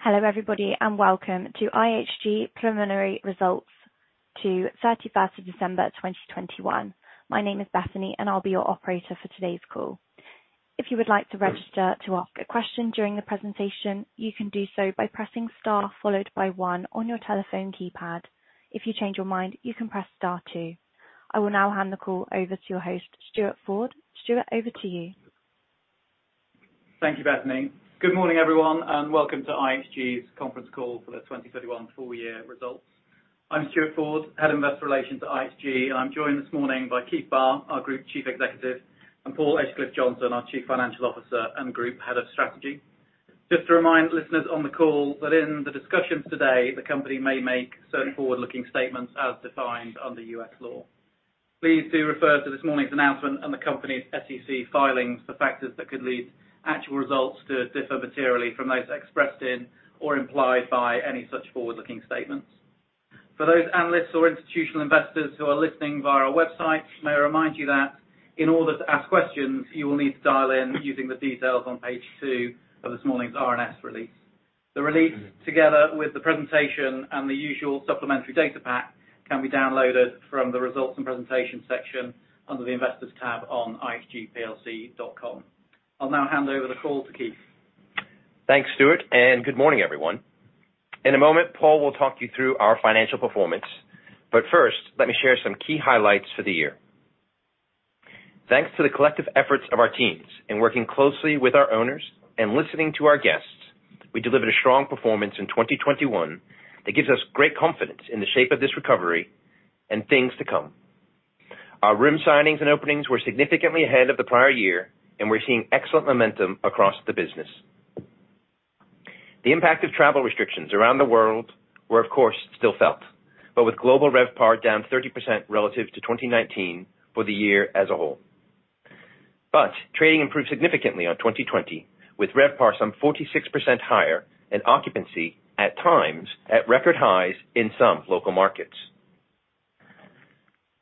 Hello, everybody, and welcome to IHG Preliminary Results to 31 December 2021. My name is Bethany, and I'll be your operator for today's call. If you would like to register to ask a question during the presentation, you can do so by pressing star followed by one on your telephone keypad. If you change your mind, you can press star two. I will now hand the call over to your host, Stuart Ford. Stuart, over to you. Thank you, Bethany. Good morning, everyone, and welcome to IHG's conference call for the 2021 full year results. I'm Stuart Ford, Head of Investor Relations at IHG, and I'm joined this morning by Keith Barr, our Group Chief Executive, and Paul Edgecliffe-Johnson, our Chief Financial Officer and Group Head of Strategy. Just to remind listeners on the call that in the discussions today, the company may make certain forward-looking statements as defined under U.S. law. Please do refer to this morning's announcement and the company's SEC filings for factors that could lead actual results to differ materially from those expressed in or implied by any such forward-looking statements. For those analysts or institutional investors who are listening via our website, may I remind you that in order to ask questions, you will need to dial in using the details on page two of this morning's RNS release. The release, together with the presentation and the usual supplementary data pack, can be downloaded from the Results and Presentation section under the Investors tab on ihgplc.com. I'll now hand over the call to Keith. Thanks, Stuart, and good morning, everyone. In a moment, Paul will talk you through our financial performance. But first, let me share some key highlights for the year. Thanks to the collective efforts of our teams in working closely with our owners and listening to our guests, we delivered a strong performance in 2021 that gives us great confidence in the shape of this recovery and things to come. Our room signings and openings were significantly ahead of the prior year, and we're seeing excellent momentum across the business. The impact of travel restrictions around the world were, of course, still felt, but with global RevPAR down 30% relative to 2019 for the year as a whole. Trading improved significantly on 2020, with RevPAR some 46% higher and occupancy at times at record highs in some local markets.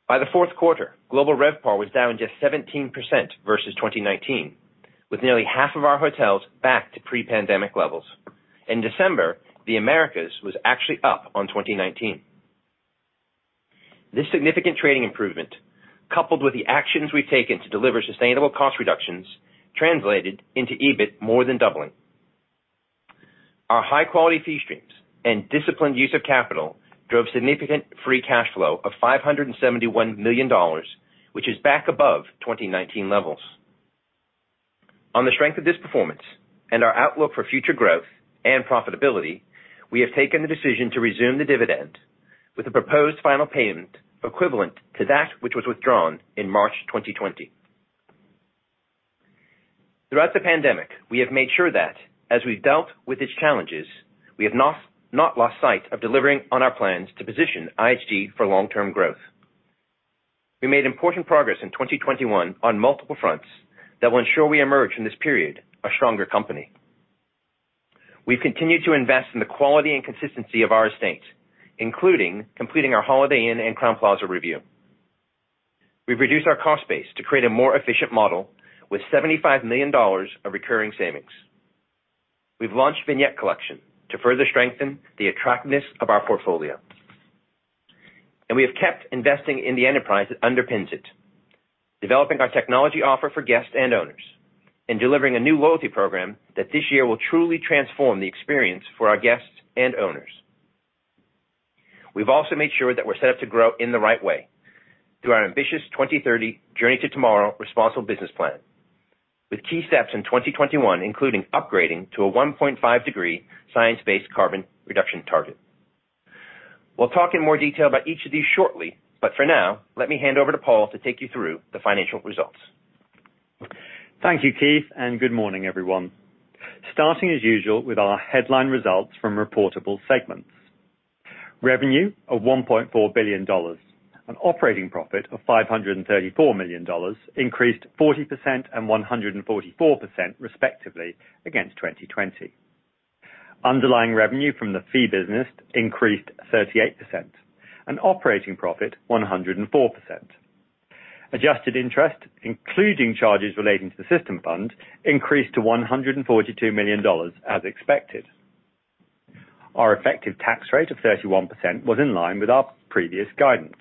By the Q4 global RevPAR was down just 17% versus 2019, with nearly half of our hotels back to pre-pandemic levels. In December, the Americas was actually up on 2019. This significant trading improvement, coupled with the actions we've taken to deliver sustainable cost reductions, translated into EBIT more than doubling. Our high-quality fee streams and disciplined use of capital drove significant free cash flow of $571 million, which is back above 2019 levels. On the strength of this performance and our outlook for future growth and profitability, we have taken the decision to resume the dividend with a proposed final payment equivalent to that which was withdrawn in March 2020. Throughout the pandemic, we have made sure that as we've dealt with its challenges, we have not lost sight of delivering on our plans to position IHG for long-term growth. We made important progress in 2021 on multiple fronts that will ensure we emerge from this period a stronger company. We've continued to invest in the quality and consistency of our estate, including completing our Holiday Inn and Crowne Plaza review. We've reduced our cost base to create a more efficient model with $75 million of recurring savings. We've launched Vignette Collection to further strengthen the attractiveness of our portfolio. We have kept investing in the enterprise that underpins it, developing our technology offer for guests and owners and delivering a new loyalty program that this year will truly transform the experience for our guests and owners. We've also made sure that we're set up to grow in the right way through our ambitious 2030 Journey to Tomorrow responsible business plan, with key steps in 2021, including upgrading to a 1.5-degree science-based carbon reduction target. We'll talk in more detail about each of these shortly, but for now, let me hand over to Paul to take you through the financial results. Thank you, Keith, and good morning, everyone. Starting as usual with our headline results from reportable segments. Revenue of $1.4 billion, an operating profit of $534 million increased 40% and 144% respectively against 2020. Underlying revenue from the fee business increased 38%, and operating profit 104%. Adjusted interest, including charges relating to the system fund, increased to $142 million as expected. Our effective tax rate of 31% was in line with our previous guidance.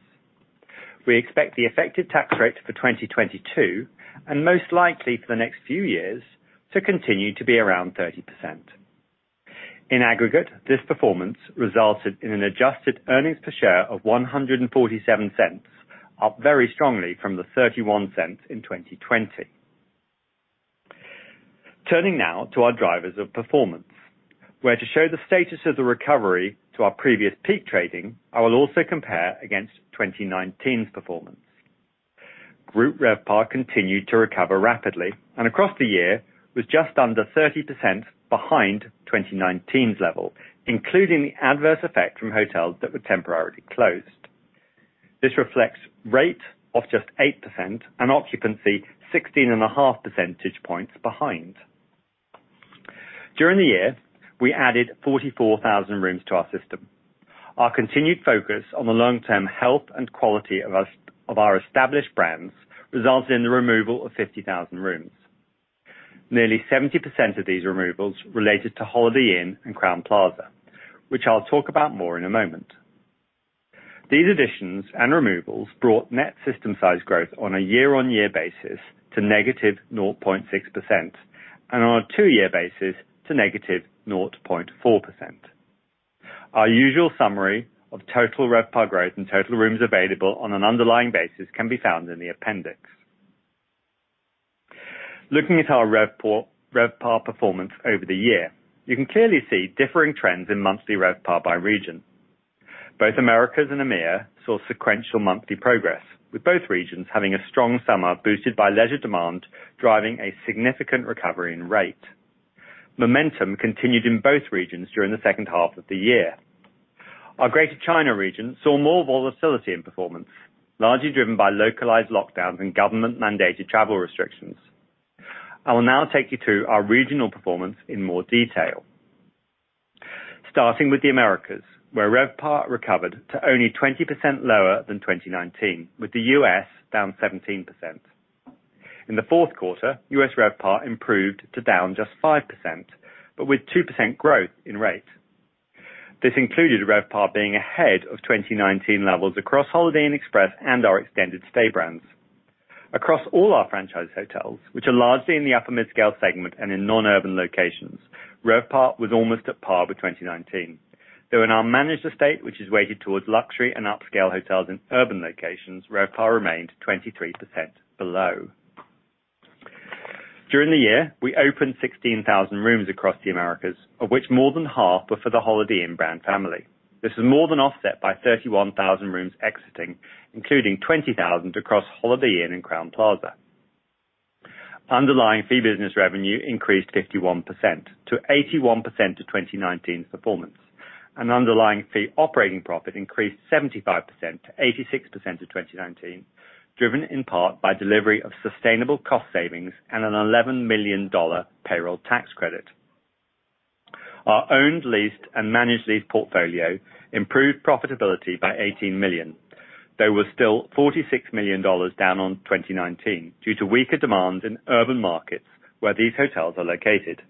We expect the effective tax rate for 2022, and most likely for the next few years, to continue to be around 30%. In aggregate, this performance resulted in an adjusted earnings per share of $1.47, up very strongly from the $0.31 in 2020. Turning now to our drivers of performance, where to show the status of the recovery to our previous peak trading, I will also compare against 2019's performance. Group RevPAR continued to recover rapidly, and across the year was just under 30% behind 2019's level, including the adverse effect from hotels that were temporarily closed. This reflects rate of just 8% and occupancy 16.5 percentage points behind. During the year, we added 44,000 rooms to our system. Our continued focus on the long-term health and quality of our established brands resulted in the removal of 50,000 rooms. Nearly 70% of these removals related to Holiday Inn and Crowne Plaza, which I'll talk about more in a moment. These additions and removals brought net system size growth on a year-on-year basis to negative 0.6%, and on a two-year basis to negative 0.4%. Our usual summary of total RevPAR growth and total rooms available on an underlying basis can be found in the appendix. Looking at our RevPAR performance over the year, you can clearly see differing trends in monthly RevPAR by region. Both Americas and EMEAA saw sequential monthly progress, with both regions having a strong summer boosted by leisure demand, driving a significant recovery in rate. Momentum continued in both regions during the second half of the year. Our Greater China region saw more volatility in performance, largely driven by localized lockdowns and government-mandated travel restrictions. I will now take you through our regional performance in more detail. Starting with the Americas, where RevPAR recovered to only 20% lower than 2019, with the U.S. down 17%. In the Q4, U.S. RevPAR improved to down just 5%, but with 2% growth in rate. This included RevPAR being ahead of 2019 levels across Holiday Inn Express and our extended stay brands. Across all our franchise hotels, which are largely in the upper mid-scale segment and in non-urban locations, RevPAR was almost at par with 2019. Though in our managed estate, which is weighted towards luxury and upscale hotels in urban locations, RevPAR remained 23% below. During the year, we opened 16,000 rooms across the Americas, of which more than half were for the Holiday Inn brand family. This is more than offset by 31,000 rooms exiting, including 20,000 across Holiday Inn and Crowne Plaza. Underlying fee business revenue increased 51% to 81% of 2019's performance, and underlying fee operating profit increased 75% to 86% of 2019, driven in part by delivery of sustainable cost savings and an $11 million payroll tax credit. Our owned, leased, and managed lease portfolio improved profitability by $18 million. They were still $46 million down on 2019 due to weaker demand in urban markets where these hotels are located.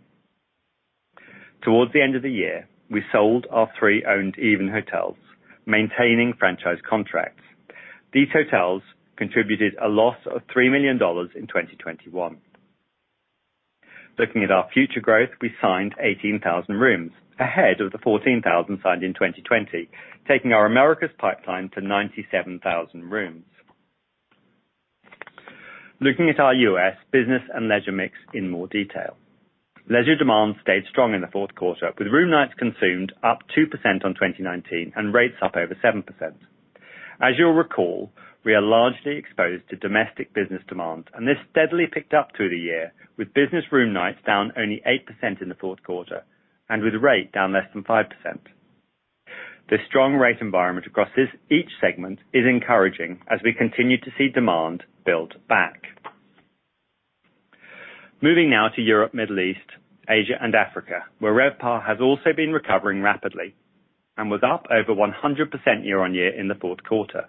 Towards the end of the year, we sold our 3 owned EVEN Hotels, maintaining franchise contracts. These hotels contributed a loss of $3 million in 2021. Looking at our future growth, we signed 18,000 rooms, ahead of the 14,000 signed in 2020, taking our Americas pipeline to 97,000 rooms. Looking at our U.S. business and leisure mix in more detail. Leisure demand stayed strong in the Q4, with room nights consumed up 2% on 2019 and rates up over 7%. As you'll recall, we are largely exposed to domestic business demand, and this steadily picked up through the year, with business room nights down only 8% in the Q4 and with rate down less than 5%. This strong rate environment across each segment is encouraging as we continue to see demand build back. Moving now to Europe, Middle East, Asia, and Africa, where RevPAR has also been recovering rapidly and was up over 100% year-on-year in the Q4.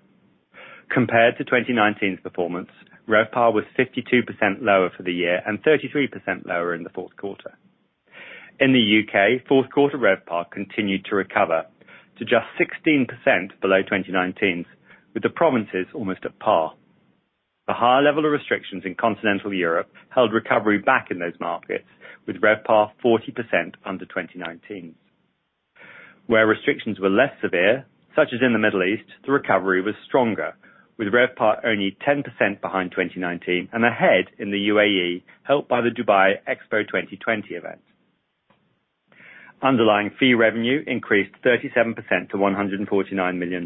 Compared to 2019's performance, RevPAR was 52% lower for the year and 33% lower in the Q4. In the U.K., Q4 RevPAR continued to recover to just 16% below 2019's, with the provinces almost at par. The high level of restrictions in continental Europe held recovery back in those markets, with RevPAR 40% under 2019. Where restrictions were less severe, such as in the Middle East, the recovery was stronger, with RevPAR only 10% behind 2019 and ahead in the UAE, helped by the Dubai Expo 2020 event. Underlying fee revenue increased 37% to $149 million, 54%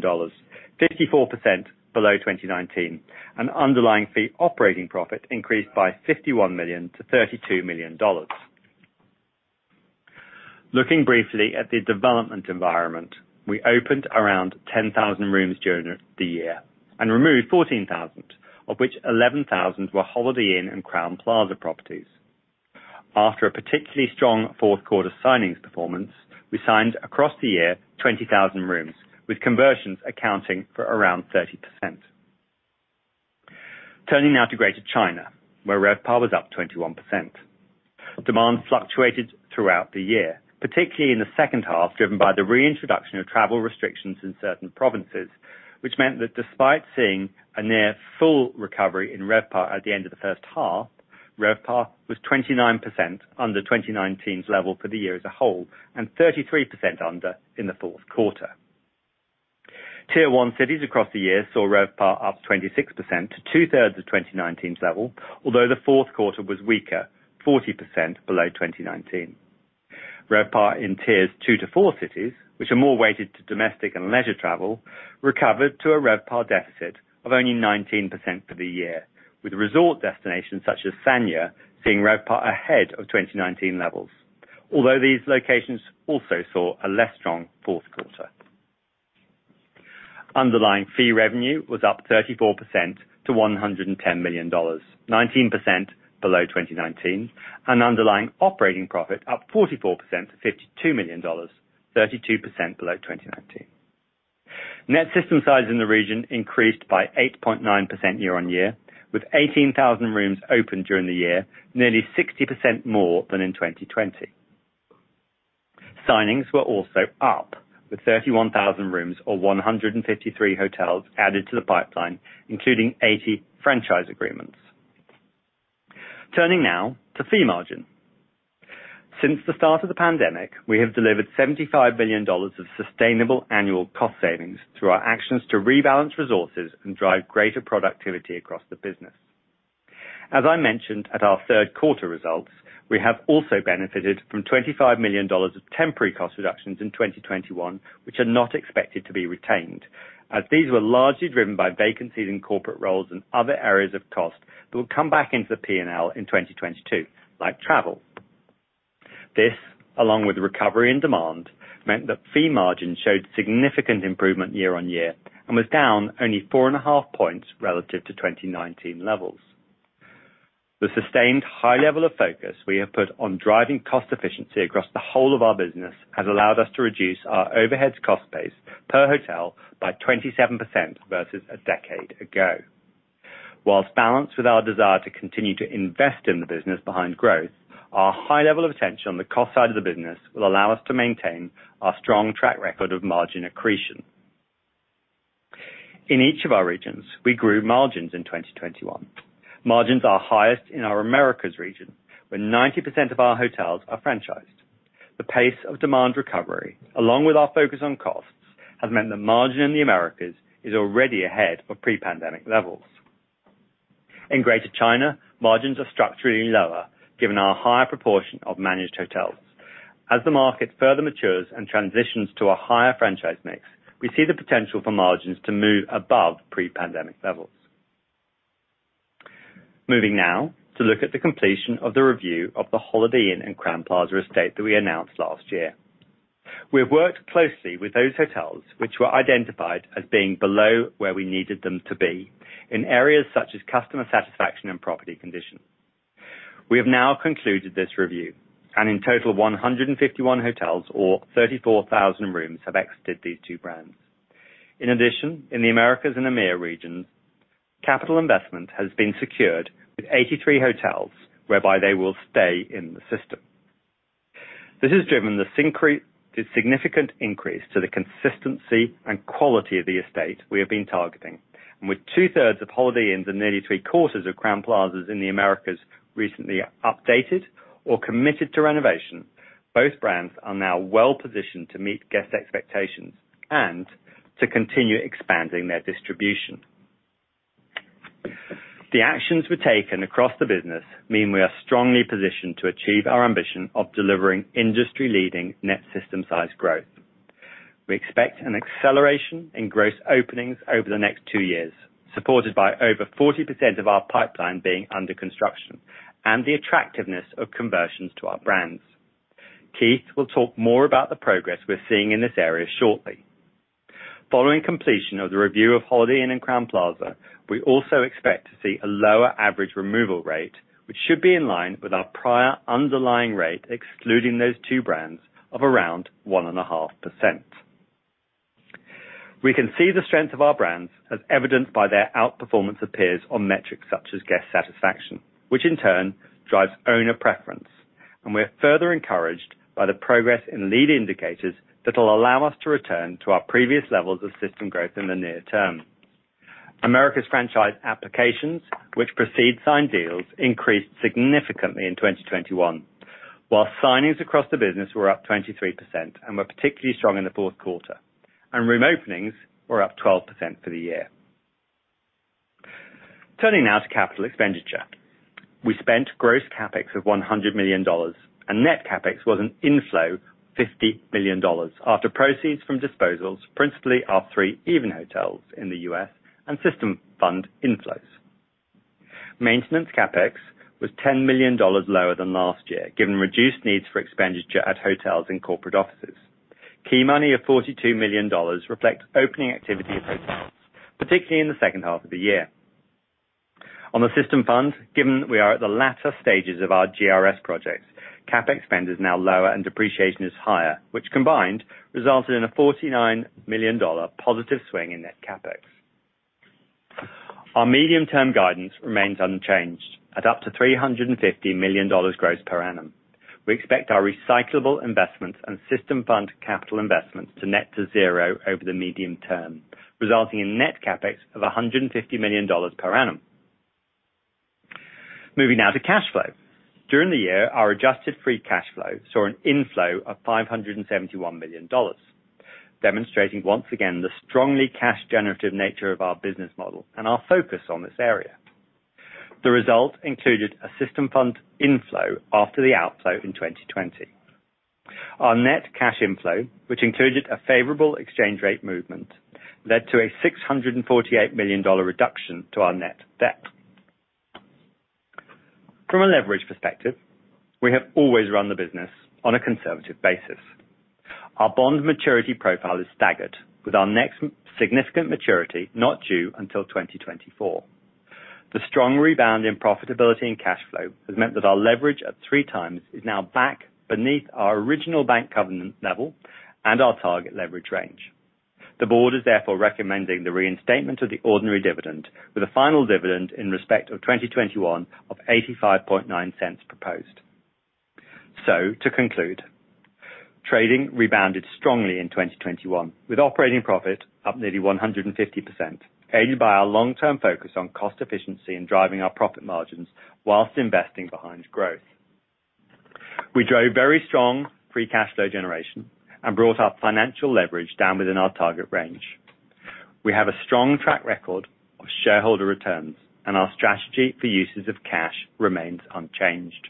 below 2019, and underlying fee operating profit increased by $51 million to $32 million. Looking briefly at the development environment, we opened around 10,000 rooms during the year and removed 14,000, of which 11,000 were Holiday Inn and Crowne Plaza properties. After a particularly strong Q4 signings performance, we signed across the year 20,000 rooms, with conversions accounting for around 30%. Turning now to Greater China, where RevPAR was up 21%. Demand fluctuated throughout the year, particularly in the second half, driven by the reintroduction of travel restrictions in certain provinces, which meant that despite seeing a near full recovery in RevPAR at the end of the first half, RevPAR was 29% under 2019's level for the year as a whole and 33% under in the Q4. Tier one cities across the year saw RevPAR up 26% to two-thirds of 2019's level, although the Q4 was weaker, 40% below 2019. RevPAR in tiers two-four cities, which are more weighted to domestic and leisure travel, recovered to a RevPAR deficit of only 19% for the year, with resort destinations such as Sanya seeing RevPAR ahead of 2019 levels, although these locations also saw a less strong Q4. Underlying fee revenue was up 34% to $110 million, 19% below 2019. Underlying operating profit up 44% to $52 million, 32% below 2019. Net system size in the region increased by 8.9% year-on-year, with 18,000 rooms opened during the year, nearly 60% more than in 2020. Signings were also up, with 31,000 rooms or 153 hotels added to the pipeline, including 80 franchise agreements. Turning now to fee margin. Since the start of the pandemic, we have delivered $75 billion of sustainable annual cost savings through our actions to rebalance resources and drive greater productivity across the business. As I mentioned at our Q3 results, we have also benefited from $25 million of temporary cost reductions in 2021, which are not expected to be retained, as these were largely driven by vacancies in corporate roles and other areas of cost that will come back into the P&L in 2022, like travel. This, along with the recovery in demand, meant that fee margin showed significant improvement year-on-year and was down only four and half points relative to 2019 levels. The sustained high level of focus we have put on driving cost efficiency across the whole of our business has allowed us to reduce our overheads cost base per hotel by 27% versus a decade ago. While balanced with our desire to continue to invest in the business behind growth, our high level of attention on the cost side of the business will allow us to maintain our strong track record of margin accretion. In each of our regions, we grew margins in 2021. Margins are highest in our Americas region, where 90% of our hotels are franchised. The pace of demand recovery, along with our focus on costs, has meant the margin in the Americas is already ahead of pre-pandemic levels. In Greater China, margins are structurally lower, given our higher proportion of managed hotels. As the market further matures and transitions to a higher franchise mix, we see the potential for margins to move above pre-pandemic levels. Moving now to look at the completion of the review of the Holiday Inn and Crowne Plaza estate that we announced last year. We have worked closely with those hotels which were identified as being below where we needed them to be in areas such as customer satisfaction and property condition. We have now concluded this review, and in total, 151 hotels or 34,000 rooms have exited these two brands. In addition, in the Americas and EMEAA regions, capital investment has been secured with 83 hotels whereby they will stay in the system. This has driven the significant increase to the consistency and quality of the estate we have been targeting. With two-thirds of Holiday Inns and nearly three-quarters of Crowne Plazas in the Americas recently updated or committed to renovation, both brands are now well positioned to meet guest expectations and to continue expanding their distribution. The actions we've taken across the business mean we are strongly positioned to achieve our ambition of delivering industry-leading net system-size growth. We expect an acceleration in gross openings over the next two years, supported by over 40% of our pipeline being under construction and the attractiveness of conversions to our brands. Keith will talk more about the progress we're seeing in this area shortly. Following completion of the review of Holiday Inn and Crowne Plaza, we also expect to see a lower average removal rate, which should be in line with our prior underlying rate, excluding those two brands of around 1.5%. We can see the strength of our brands as evidenced by their outperformance of peers on metrics such as guest satisfaction, which in turn drives owner preference. We are further encouraged by the progress in lead indicators that will allow us to return to our previous levels of system growth in the near term. Americas franchise applications, which precede signed deals, increased significantly in 2021, while signings across the business were up 23% and were particularly strong in the Q4. Room openings were up 12% for the year. Turning now to capital expenditure. We spent gross CapEx of $100 million, and net CapEx was an inflow $50 million after proceeds from disposals, principally our three EVEN Hotels in the U.S. and system fund inflows. Maintenance CapEx was $10 million lower than last year, given reduced needs for expenditure at hotels and corporate offices. Key money of $42 million reflect opening activity of hotels, particularly in the second half of the year. On the system fund, given we are at the latter stages of our GRS projects, CapEx spend is now lower and depreciation is higher, which combined resulted in a $49 million positive swing in net CapEx. Our medium-term guidance remains unchanged at up to $350 million gross per annum. We expect our recyclable investments and system fund capital investments to net to zero over the medium term, resulting in net CapEx of $150 million per annum. Moving now to cash flow. During the year, our adjusted free cash flow saw an inflow of $571 million, demonstrating once again the strongly cash generative nature of our business model and our focus on this area. The result included a system fund inflow after the outflow in 2020. Our net cash inflow, which included a favorable exchange rate movement, led to a $648 million reduction to our net debt. From a leverage perspective, we have always run the business on a conservative basis. Our bond maturity profile is staggered with our next significant maturity not due until 2024. The strong rebound in profitability and cash flow has meant that our leverage at 3x is now back beneath our original bank covenant level and our target leverage range. The board is therefore recommending the reinstatement of the ordinary dividend with a final dividend in respect of 2021 of $0.859 proposed. To conclude, trading rebounded strongly in 2021, with operating profit up nearly 150%, aided by our long-term focus on cost efficiency and driving our profit margins while investing behind growth. We drove very strong free cash flow generation and brought our financial leverage down within our target range. We have a strong track record of shareholder returns and our strategy for uses of cash remains unchanged.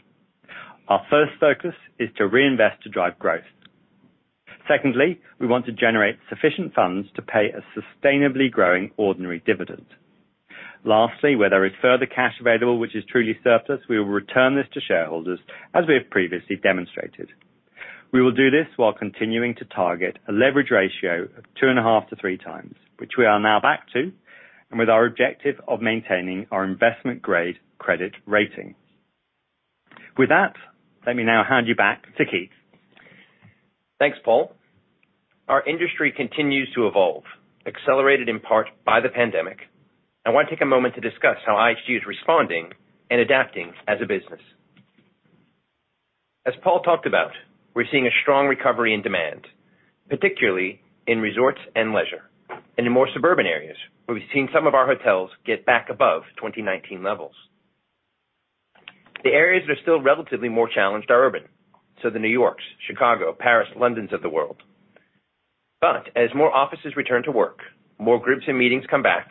Our first focus is to reinvest to drive growth. Secondly, we want to generate sufficient funds to pay a sustainably growing ordinary dividend. Lastly, where there is further cash available which is truly surplus, we will return this to shareholders as we have previously demonstrated. We will do this while continuing to target a leverage ratio of 2.5x-3x, which we are now back to, and with our objective of maintaining our investment grade credit rating. With that, let me now hand you back to Keith. Thanks, Paul. Our industry continues to evolve, accelerated in part by the pandemic. I want to take a moment to discuss how IHG is responding and adapting as a business. As Paul talked about, we're seeing a strong recovery in demand, particularly in resorts and leisure, and in more suburban areas where we've seen some of our hotels get back above 2019 levels. The areas that are still relatively more challenged are urban, so the New Yorks, Chicago, Paris, Londons of the world. As more offices return to work, more groups and meetings come back,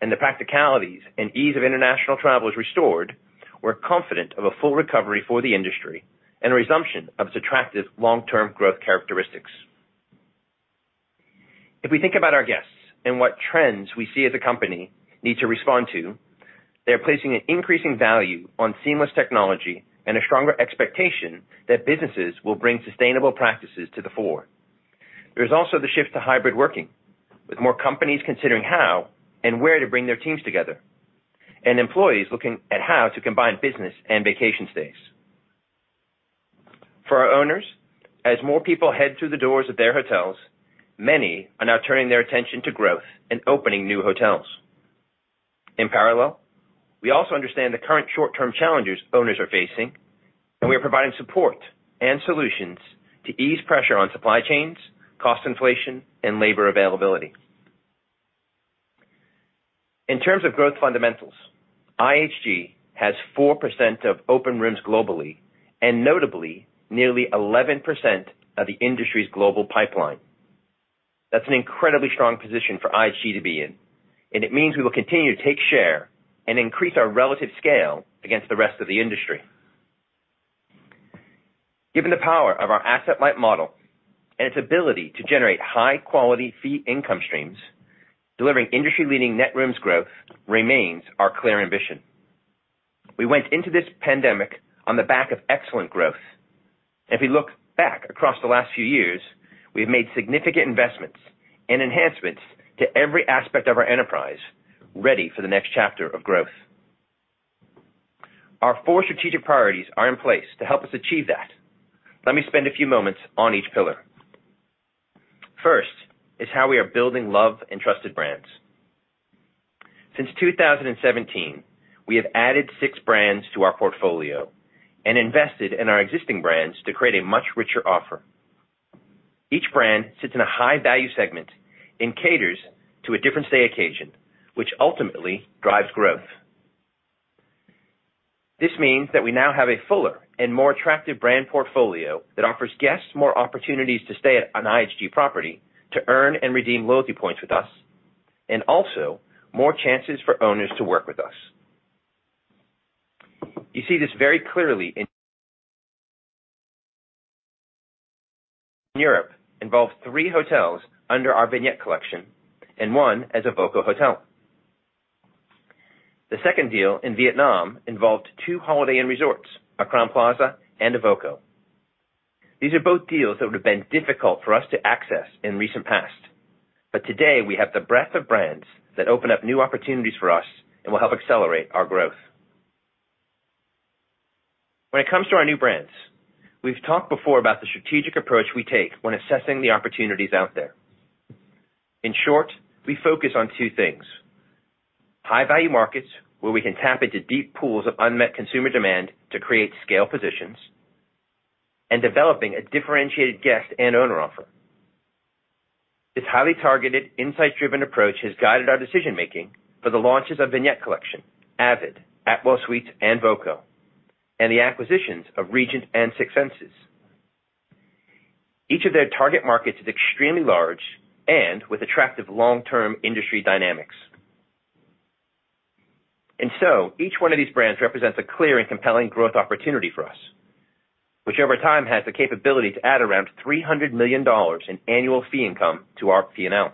and the practicalities and ease of international travel is restored, we're confident of a full recovery for the industry and a resumption of its attractive long-term growth characteristics. If we think about our guests and what trends we see as a company need to respond to, they are placing an increasing value on seamless technology and a stronger expectation that businesses will bring sustainable practices to the fore. There's also the shift to hybrid working, with more companies considering how and where to bring their teams together, and employees looking at how to combine business and vacation stays. For our owners, as more people head through the doors of their hotels, many are now turning their attention to growth and opening new hotels. In parallel, we also understand the current short-term challenges owners are facing, and we are providing support and solutions to ease pressure on supply chains, cost inflation, and labor availability. In terms of growth fundamentals, IHG has 4% of open rooms globally, and notably nearly 11% of the industry's global pipeline. That's an incredibly strong position for IHG to be in, and it means we will continue to take share and increase our relative scale against the rest of the industry. Given the power of our asset-light model and its ability to generate high-quality fee income streams, delivering industry-leading net rooms growth remains our clear ambition. We went into this pandemic on the back of excellent growth. If we look back across the last few years, we have made significant investments and enhancements to every aspect of our enterprise ready for the next chapter of growth. Our four strategic priorities are in place to help us achieve that. Let me spend a few moments on each pillar. First is how we are building loyal and trusted brands. Since 2017, we have added six brands to our portfolio and invested in our existing brands to create a much richer offer. Each brand sits in a high-value segment and caters to a different stay occasion, which ultimately drives growth. This means that we now have a fuller and more attractive brand portfolio that offers guests more opportunities to stay at an IHG property to earn and redeem loyalty points with us, and also more chances for owners to work with us. You see this very clearly in Europe involves three hotels under our Vignette Collection and one as a voco hotel. The second deal in Vietnam involved two Holiday Inn Resorts, a Crowne Plaza and a voco. These are both deals that would have been difficult for us to access in recent past. Today we have the breadth of brands that open up new opportunities for us and will help accelerate our growth. When it comes to our new brands, we've talked before about the strategic approach we take when assessing the opportunities out there. In short, we focus on two things, high-value markets, where we can tap into deep pools of unmet consumer demand to create scale positions, and developing a differentiated guest and owner offer. This highly targeted, insight-driven approach has guided our decision-making for the launches of Vignette Collection, Avid, Atwell Suites, and voco, and the acquisitions of Regent and Six Senses. Each of their target markets is extremely large and with attractive long-term industry dynamics. Each one of these brands represents a clear and compelling growth opportunity for us, which over time has the capability to add around $300 million in annual fee income to our P&L.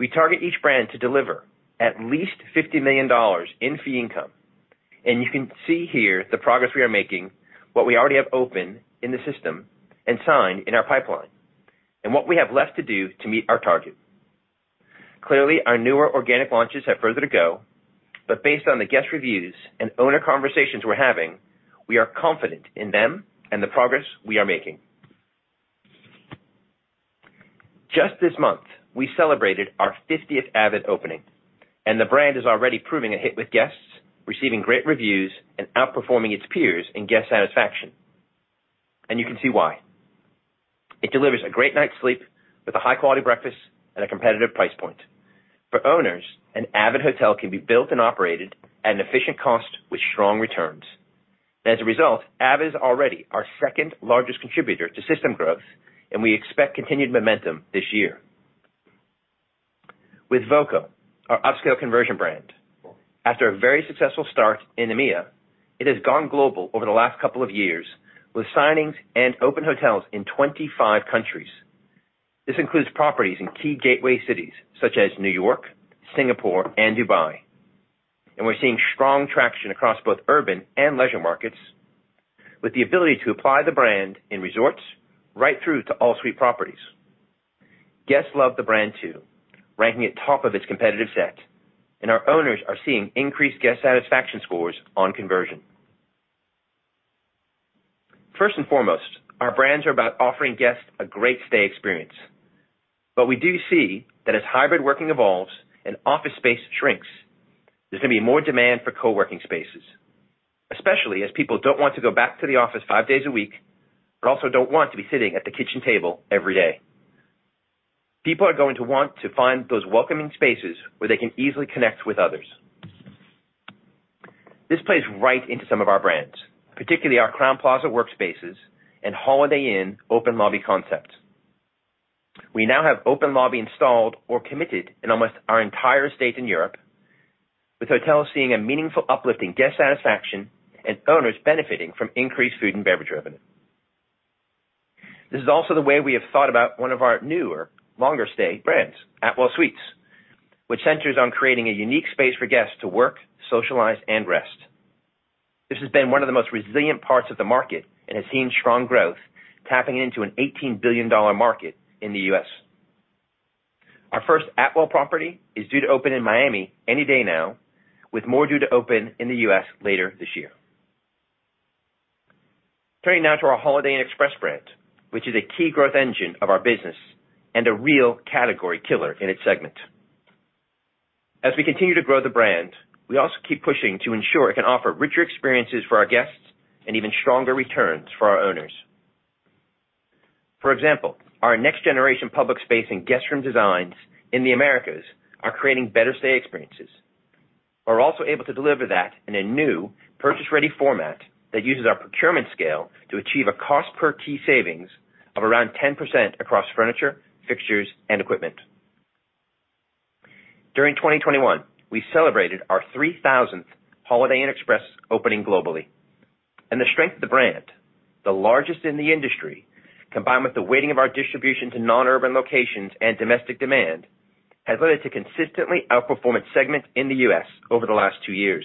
We target each brand to deliver at least $50 million in fee income, and you can see here the progress we are making, what we already have open in the system and signed in our pipeline, and what we have left to do to meet our target. Clearly, our newer organic launches have further to go, but based on the guest reviews and owner conversations we're having, we are confident in them and the progress we are making. Just this month, we celebrated our 50th Avid opening, and the brand is already proving a hit with guests, receiving great reviews and outperforming its peers in guest satisfaction. You can see why. It delivers a great night's sleep with a high-quality breakfast at a competitive price point. For owners, an avid hotel can be built and operated at an efficient cost with strong returns. As a result, avid is already our second-largest contributor to system growth, and we expect continued momentum this year. With voco, our upscale conversion brand, after a very successful start in EMEAA, it has gone global over the last couple of years, with signings and open hotels in 25 countries. This includes properties in key gateway cities such as New York, Singapore, and Dubai. We're seeing strong traction across both urban and leisure markets with the ability to apply the brand in resorts right through to all suite properties. Guests love the brand too, ranking it top of its competitive set, and our owners are seeing increased guest satisfaction scores on conversion. First and foremost, our brands are about offering guests a great stay experience. We do see that as hybrid working evolves and office space shrinks, there's gonna be more demand for co-working spaces, especially as people don't want to go back to the office five days a week, but also don't want to be sitting at the kitchen table every day. People are going to want to find those welcoming spaces where they can easily connect with others. This plays right into some of our brands, particularly our Crowne Plaza workspaces and Holiday Inn Open Lobby concepts. We now have Open Lobby installed or committed in almost our entire estate in Europe, with hotels seeing a meaningful uplift in guest satisfaction and owners benefiting from increased food and beverage revenue. This is also the way we have thought about one of our newer longer stay brands, Atwell Suites, which centers on creating a unique space for guests to work, socialize, and rest. This has been one of the most resilient parts of the market and has seen strong growth, tapping into a $18 billion market in the U.S. Our first Atwell property is due to open in Miami any day now, with more due to open in the U.S. later this year. Turning now to our Holiday Inn Express brand, which is a key growth engine of our business and a real category killer in its segment. As we continue to grow the brand, we also keep pushing to ensure it can offer richer experiences for our guests and even stronger returns for our owners. For example, our next-generation public space and guest room designs in the Americas are creating better stay experiences. We're also able to deliver that in a new purchase-ready format that uses our procurement scale to achieve a cost per key savings of around 10% across furniture, fixtures, and equipment. During 2021, we celebrated our 3,000th Holiday Inn Express opening globally. The strength of the brand, the largest in the industry, combined with the weighting of our distribution to non-urban locations and domestic demand, has led it to consistently outperforming segments in the U.S. over the last two years.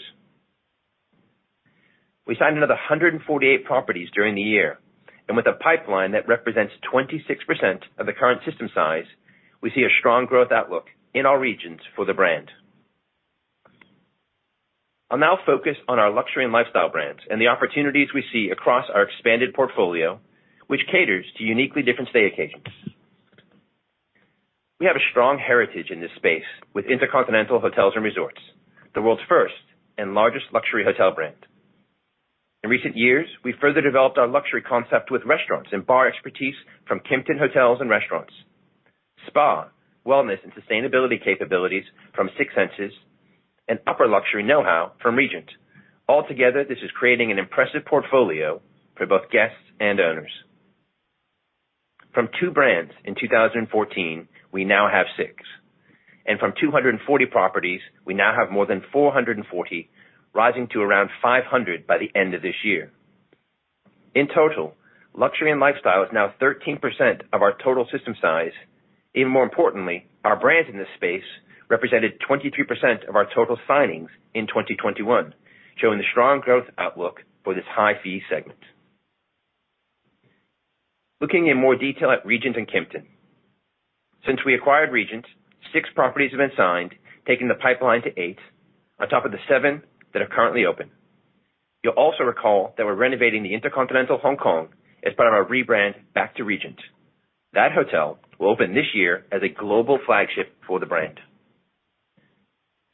We signed another 148 properties during the year, and with a pipeline that represents 26% of the current system size, we see a strong growth outlook in our regions for the brand. I'll now focus on our luxury and lifestyle brands and the opportunities we see across our expanded portfolio, which caters to uniquely different stay occasions. We have a strong heritage in this space with InterContinental Hotels & Resorts, the world's first and largest luxury hotel brand. In recent years, we further developed our luxury concept with restaurants and bar expertise from Kimpton Hotels & Restaurants, spa, wellness, and sustainability capabilities from Six Senses, and upper luxury know-how from Regent. Altogether, this is creating an impressive portfolio for both guests and owners. From two brands in 2014, we now have six. From 240 properties, we now have more than 440, rising to around 500 by the end of this year. In total, luxury and lifestyle is now 13% of our total system size. Even more importantly, our brands in this space represented 23% of our total signings in 2021, showing the strong growth outlook for this high fee segment. Looking in more detail at Regent and Kimpton. Since we acquired Regent, six properties have been signed, taking the pipeline to eight on top of the seven that are currently open. You'll also recall that we're renovating the InterContinental Hong Kong as part of our rebrand back to Regent. That hotel will open this year as a global flagship for the brand.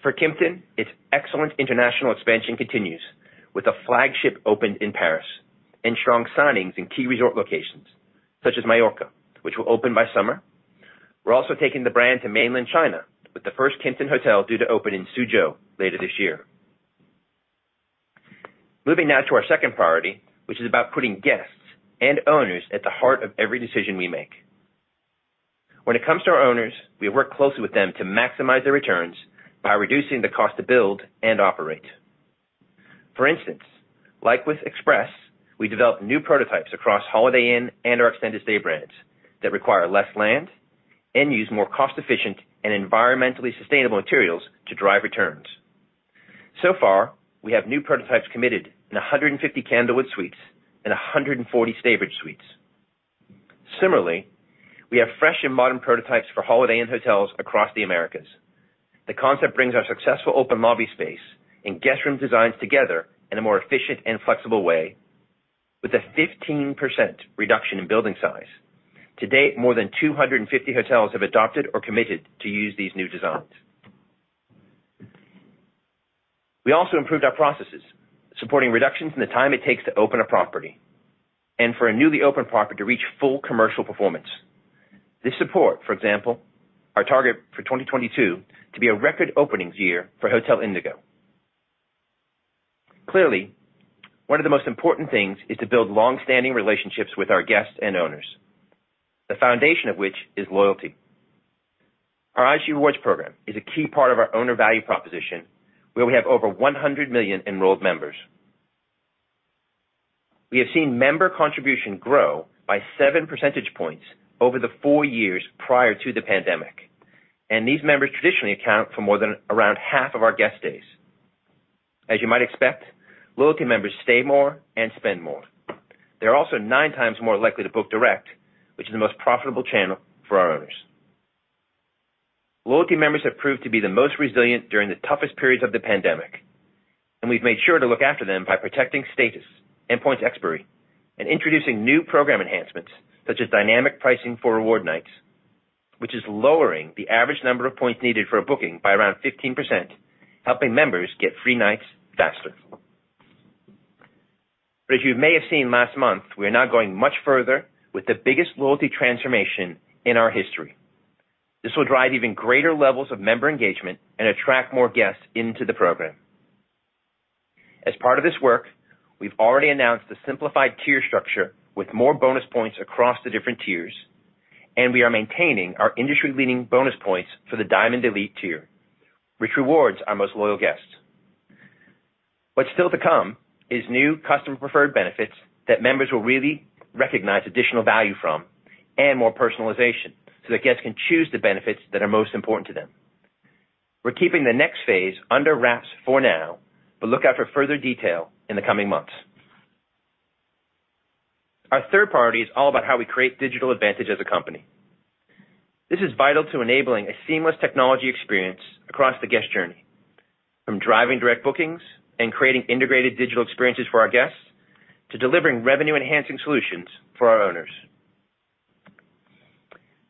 For Kimpton, its excellent international expansion continues, with a flagship opened in Paris and strong signings in key resort locations such as Mallorca, which will open by summer. We're also taking the brand to mainland China, with the first Kimpton hotel due to open in Suzhou later this year. Moving now to our second priority, which is about putting guests and owners at the heart of every decision we make. When it comes to our owners, we work closely with them to maximize their returns by reducing the cost to build and operate. For instance, like with Holiday Inn Express, we developed new prototypes across Holiday Inn and our Extended Stay brands that require less land and use more cost-efficient and environmentally sustainable materials to drive returns. So far, we have new prototypes committed in 150 Candlewood Suites and 140 Staybridge Suites. Similarly, we have fresh and modern prototypes for Holiday Inn hotels across the Americas. The concept brings our successful Open Lobby space and guest room designs together in a more efficient and flexible way with a 15% reduction in building size. To date, more than 250 hotels have adopted or committed to use these new designs. We also improved our processes, supporting reductions in the time it takes to open a property and for a newly opened property to reach full commercial performance. This supports, for example, our target for 2022 to be a record openings year for Hotel Indigo. Clearly, one of the most important things is to build long-standing relationships with our guests and owners, the foundation of which is loyalty. Our IHG Rewards program is a key part of our owner value proposition, where we have over 100 million enrolled members. We have seen member contribution grow by 7 percentage points over the four years prior to the pandemic, and these members traditionally account for more than around half of our guest days. As you might expect, loyalty members stay more and spend more. They're also 9x more likely to book direct, which is the most profitable channel for our owners. Loyalty members have proved to be the most resilient during the toughest periods of the pandemic, and we've made sure to look after them by protecting status and points expiry and introducing new program enhancements such as dynamic pricing for reward nights, which is lowering the average number of points needed for a booking by around 15%, helping members get free nights faster. As you may have seen last month, we are now going much further with the biggest loyalty transformation in our history. This will drive even greater levels of member engagement and attract more guests into the program. As part of this work, we've already announced a simplified tier structure with more bonus points across the different tiers, and we are maintaining our industry-leading bonus points for the Diamond Elite tier, which rewards our most loyal guests. What's still to come is new customer preferred benefits that members will really recognize additional value from and more personalization so that guests can choose the benefits that are most important to them. We're keeping the next phase under wraps for now, but look out for further detail in the coming months. Our third priority is all about how we create digital advantage as a company. This is vital to enabling a seamless technology experience across the guest journey, from driving direct bookings and creating integrated digital experiences for our guests to delivering revenue-enhancing solutions for our owners.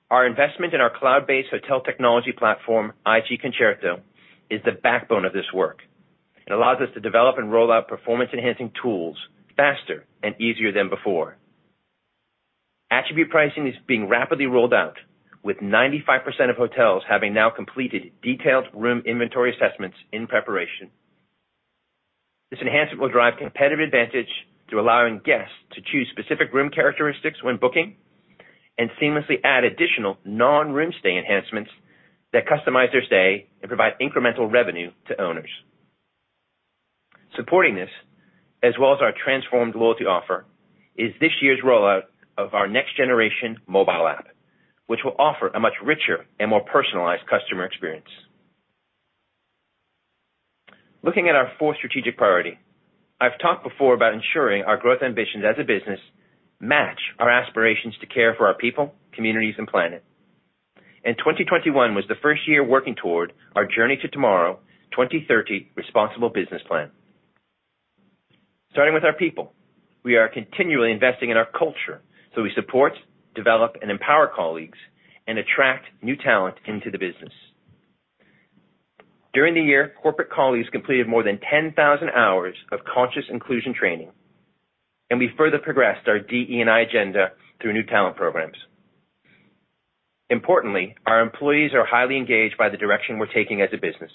Our investment in our cloud-based hotel technology platform, IHG Concerto, is the backbone of this work. It allows us to develop and roll out performance-enhancing tools faster and easier than before. Attribute pricing is being rapidly rolled out with 95% of hotels having now completed detailed room inventory assessments in preparation. This enhancement will drive competitive advantage through allowing guests to choose specific room characteristics when booking and seamlessly add additional non-room stay enhancements that customize their stay and provide incremental revenue to owners. Supporting this, as well as our transformed loyalty offer, is this year's rollout of our next-generation mobile app, which will offer a much richer and more personalized customer experience. Looking at our fourth strategic priority, I've talked before about ensuring our growth ambitions as a business match our aspirations to care for our people, communities, and planet. 2021 was the first year working toward our Journey to Tomorrow 2030 responsible business plan. Starting with our people, we are continually investing in our culture, so we support, develop, and empower colleagues and attract new talent into the business. During the year, corporate colleagues completed more than 10,000 hours of conscious inclusion training, and we further progressed our DE&I agenda through new talent programs. Importantly, our employees are highly engaged by the direction we're taking as a business.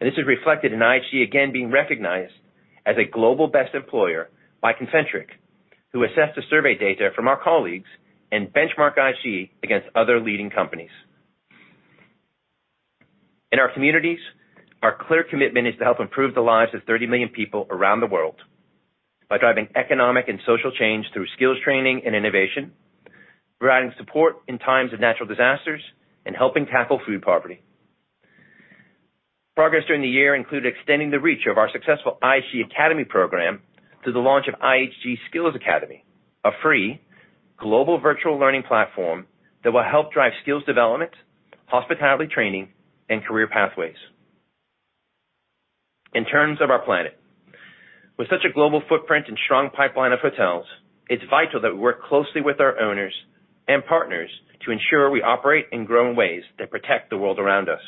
This is reflected in IHG again being recognized as a Global Best Employer by Kincentric, who assessed the survey data from our colleagues and benchmarked IHG against other leading companies. In our communities, our clear commitment is to help improve the lives of 30 million people around the world by driving economic and social change through skills training and innovation, providing support in times of natural disasters, and helping tackle food poverty. Progress during the year included extending the reach of our successful IHG Academy program through the launch of IHG Skills Academy, a free global virtual learning platform that will help drive skills development, hospitality training, and career pathways. In terms of our planet, with such a global footprint and strong pipeline of hotels, it's vital that we work closely with our owners and partners to ensure we operate and grow in ways that protect the world around us.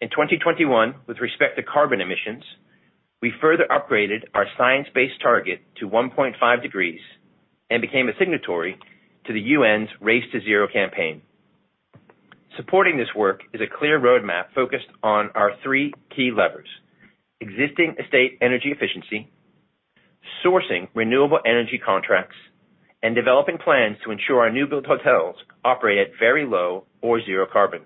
In 2021, with respect to carbon emissions, we further upgraded our science-based target to 1.5 degrees and became a signatory to the UN's Race to Zero campaign. Supporting this work is a clear roadmap focused on our three key levers: existing estate energy efficiency, sourcing renewable energy contracts, and developing plans to ensure our new build hotels operate at very low or zero carbon.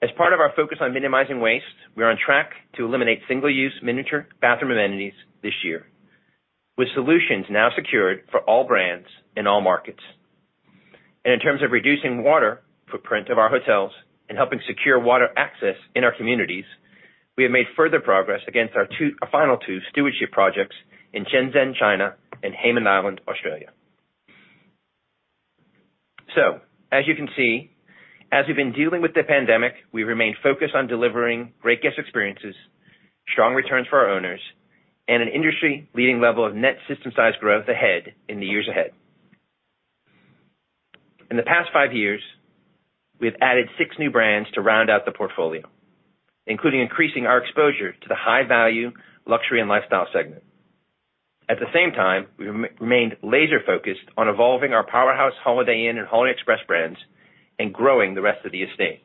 As part of our focus on minimizing waste, we are on track to eliminate single-use miniature bathroom amenities this year, with solutions now secured for all brands in all markets. In terms of reducing water footprint of our hotels and helping secure water access in our communities, we have made further progress against our final two stewardship projects in Shenzhen, China, and Hayman Island, Australia. As you can see, as we've been dealing with the pandemic, we remain focused on delivering great guest experiences, strong returns for our owners, and an industry-leading level of net system size growth ahead in the years ahead. In the past five years, we have added six new brands to round out the portfolio, including increasing our exposure to the high-value luxury and lifestyle segment. At the same time, we remained laser-focused on evolving our powerhouse Holiday Inn and Holiday Inn Express brands and growing the rest of the estate.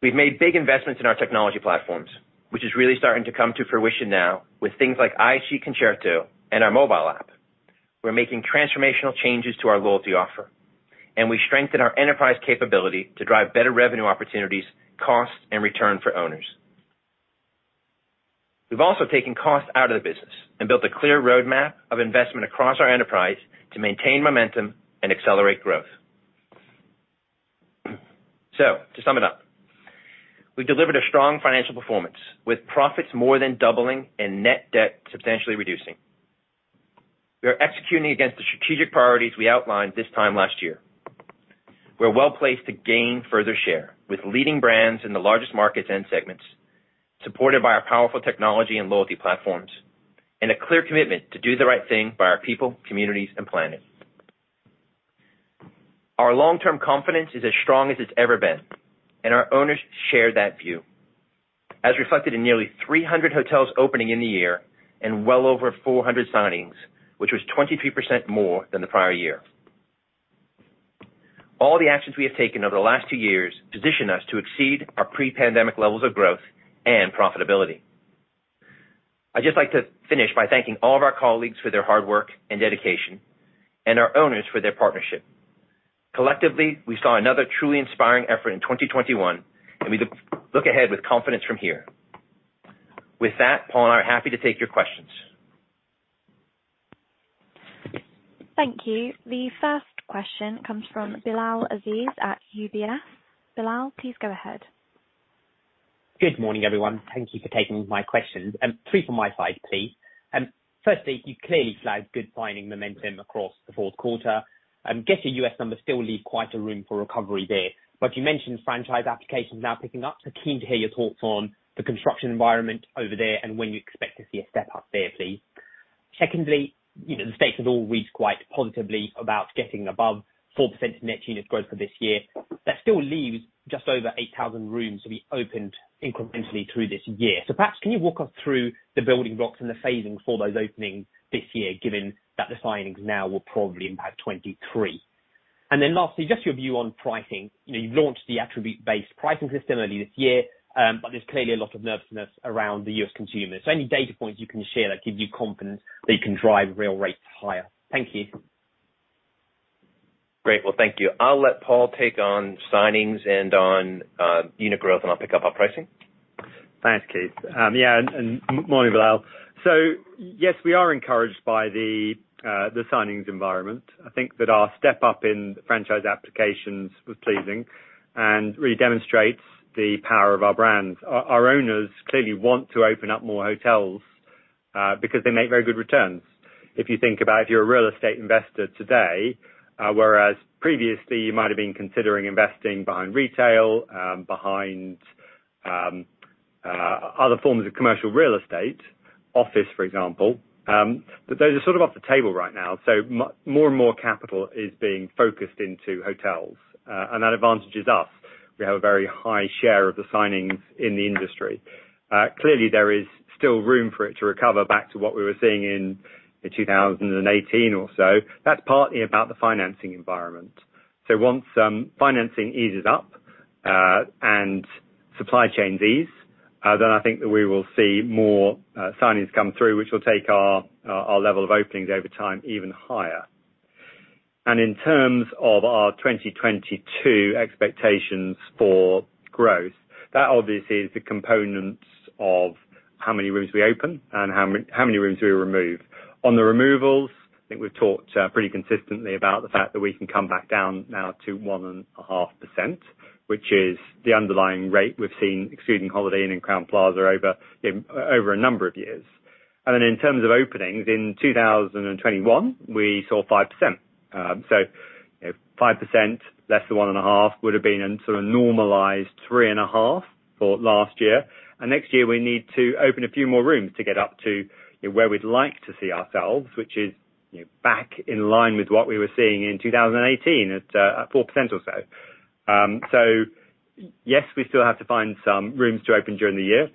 We've made big investments in our technology platforms, which is really starting to come to fruition now with things like IHG Concerto and our mobile app. We're making transformational changes to our loyalty offer, and we strengthen our enterprise capability to drive better revenue opportunities, costs, and return for owners. We've also taken costs out of the business and built a clear roadmap of investment across our enterprise to maintain momentum and accelerate growth. To sum it up, we've delivered a strong financial performance with profits more than doubling and net debt substantially reducing. We are executing against the strategic priorities we outlined this time last year. We're well-placed to gain further share with leading brands in the largest markets and segments, supported by our powerful technology and loyalty platforms, and a clear commitment to do the right thing by our people, communities, and planet. Our long-term confidence is as strong as it's ever been, and our owners share that view. As reflected in nearly 300 hotels opening in the year and well over 400 signings, which was 23% more than the prior year. All the actions we have taken over the last two years position us to exceed our pre-pandemic levels of growth and profitability. I'd just like to finish by thanking all of our colleagues for their hard work and dedication and our owners for their partnership. Collectively, we saw another truly inspiring effort in 2021, and we look ahead with confidence from here. With that, Paul and I are happy to take your questions. Thank you. The first question comes from Bilal Aziz at UBS. Bilal, please go ahead. Good morning, everyone. Thank you for taking my questions. Three from my side, please. Firstly, you clearly flagged good signing momentum across the Q4. I guess your U.S. numbers still leave quite a room for recovery there. You mentioned franchise applications now picking up. Keen to hear your thoughts on the construction environment over there and when you expect to see a step-up there, please. Secondly, you know, the statement overall reads quite positively about getting above 4% net unit growth for this year. That still leaves just over 8,000 rooms to be opened incrementally through this year. Perhaps you can walk us through the building blocks and the phasing for those openings this year, given that the signings now will probably impact 2023. Then lastly, just your view on pricing. You know, you've launched the attribute-based pricing system earlier this year, but there's clearly a lot of nervousness around the U.S. consumer. Any data points you can share that gives you confidence that you can drive real rates higher. Thank you. Great. Well, thank you. I'll let Paul take on signings and on, unit growth, and I'll pick up on pricing. Thanks, Keith. Yeah, morning, Bilal. Yes, we are encouraged by the signings environment. I think that our step up in franchise applications was pleasing and really demonstrates the power of our brands. Our owners clearly want to open up more hotels because they make very good returns. If you think about if you're a real estate investor today, whereas previously you might have been considering investing behind retail, behind other forms of commercial real estate, office, for example, but those are sort of off the table right now. More and more capital is being focused into hotels, and that advantages us. We have a very high share of the signings in the industry. Clearly, there is still room for it to recover back to what we were seeing in 2018 or so. That's partly about the financing environment. Once financing eases up and supply chains ease, then I think that we will see more signings come through, which will take our level of openings over time even higher. In terms of our 2022 expectations for growth, that obviously is the components of how many rooms we open and how many rooms we remove. On the removals, I think we've talked pretty consistently about the fact that we can come back down now to 1.5%, which is the underlying rate we've seen, excluding Holiday Inn and Crowne Plaza over a number of years. In terms of openings, in 2021, we saw 5%. 5%, less than 1.5%, would have been a sort of normalized 3.5% for last year. Next year we need to open a few more rooms to get up to where we'd like to see ourselves, which is back in line with what we were seeing in 2018 at 4% or so. Yes, we still have to find some rooms to open during the year.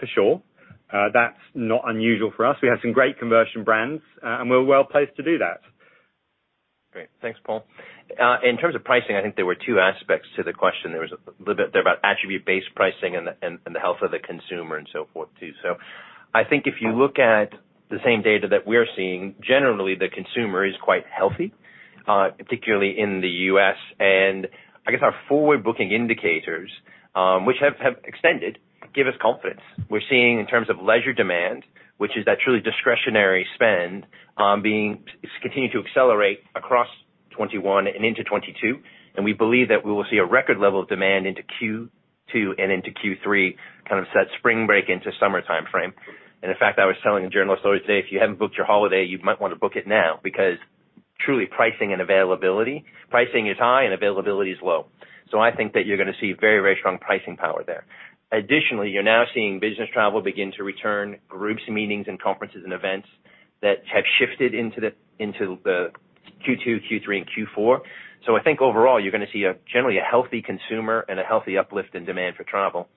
That's not unusual for us. We have some great conversion brands, and we're well-placed to do that. Great. Thanks, Paul. In terms of pricing, I think there were two aspects to the question. There was a little bit there about attribute-based pricing and the health of the consumer and so forth, too. I think if you look at the same data that we're seeing, generally, the consumer is quite healthy, particularly in the U.S. I guess our forward booking indicators, which have extended, give us confidence. We're seeing in terms of leisure demand, which is that truly discretionary spend, it's continuing to accelerate across 2021 and into 2022. We believe that we will see a record level of demand into Q2 and into Q3, kind of set spring break into summer timeframe. In fact, I was telling a journalist the other day, "If you haven't booked your holiday, you might wanna book it now," because truly pricing and availability, pricing is high and availability is low. I think that you're gonna see very, very strong pricing power there. Additionally, you're now seeing business travel begin to return, groups, meetings and conferences and events that have shifted into the Q2, Q3, and Q4. I think overall, you're gonna see a generally healthy consumer and a healthy uplift in demand for travel.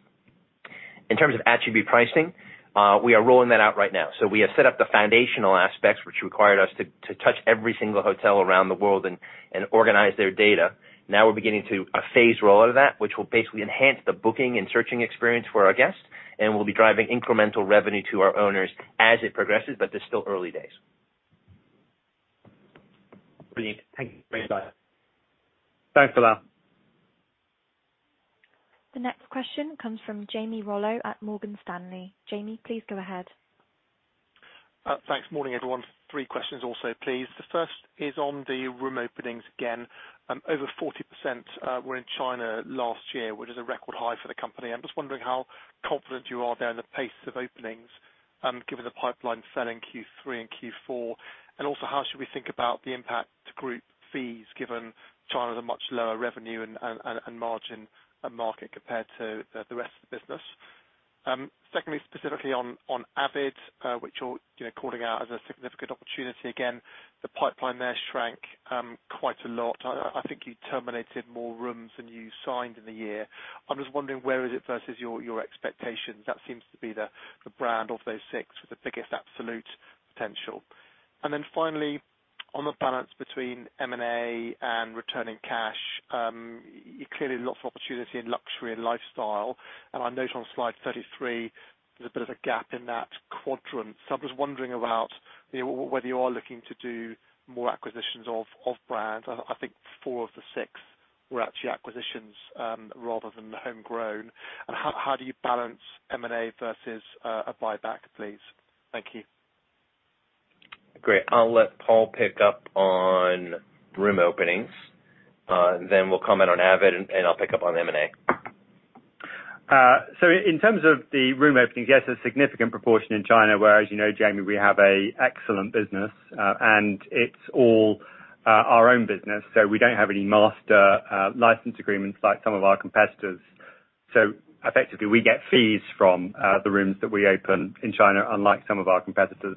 In terms of attribute pricing, we are rolling that out right now. We have set up the foundational aspects which required us to touch every single hotel around the world and organize their data. Now we're beginning to phase rollout of that, which will basically enhance the booking and searching experience for our guests, and we'll be driving incremental revenue to our owners as it progresses, but it's still early days. Brilliant. Thank you very much. Thanks, Bilal. The next question comes from Jamie Rollo at Morgan Stanley. Jamie, please go ahead. Thanks. Morning, everyone. Three questions also, please. The first is on the room openings again. Over 40% were in China last year, which is a record high for the company. I'm just wondering how confident you are there in the pace of openings, given the pipeline set in Q3 and Q4. How should we think about the impact to group fees given China is a much lower revenue and margin market compared to the rest of the business? Secondly, specifically on Avid, which you're you know calling out as a significant opportunity, again, the pipeline there shrank quite a lot. I think you terminated more rooms than you signed in the year. I'm just wondering where is it versus your expectations. That seems to be the brand of those six with the biggest absolute potential. Then finally, on the balance between M&A and returning cash, there's clearly lots of opportunity in luxury and lifestyle. I note on slide 33, there's a bit of a gap in that quadrant. I'm just wondering about, you know, whether you are looking to do more acquisitions of brands. I think four of the six were actually acquisitions, rather than homegrown. How do you balance M&A versus a buyback, please? Thank you. Great. I'll let Paul pick up on room openings, then we'll comment on Avid and I'll pick up on M&A. In terms of the room openings, yes, a significant proportion in China, where, as you know, Jamie, we have an excellent business, and it's all our own business. We don't have any master license agreements like some of our competitors. Effectively, we get fees from the rooms that we open in China, unlike some of our competitors.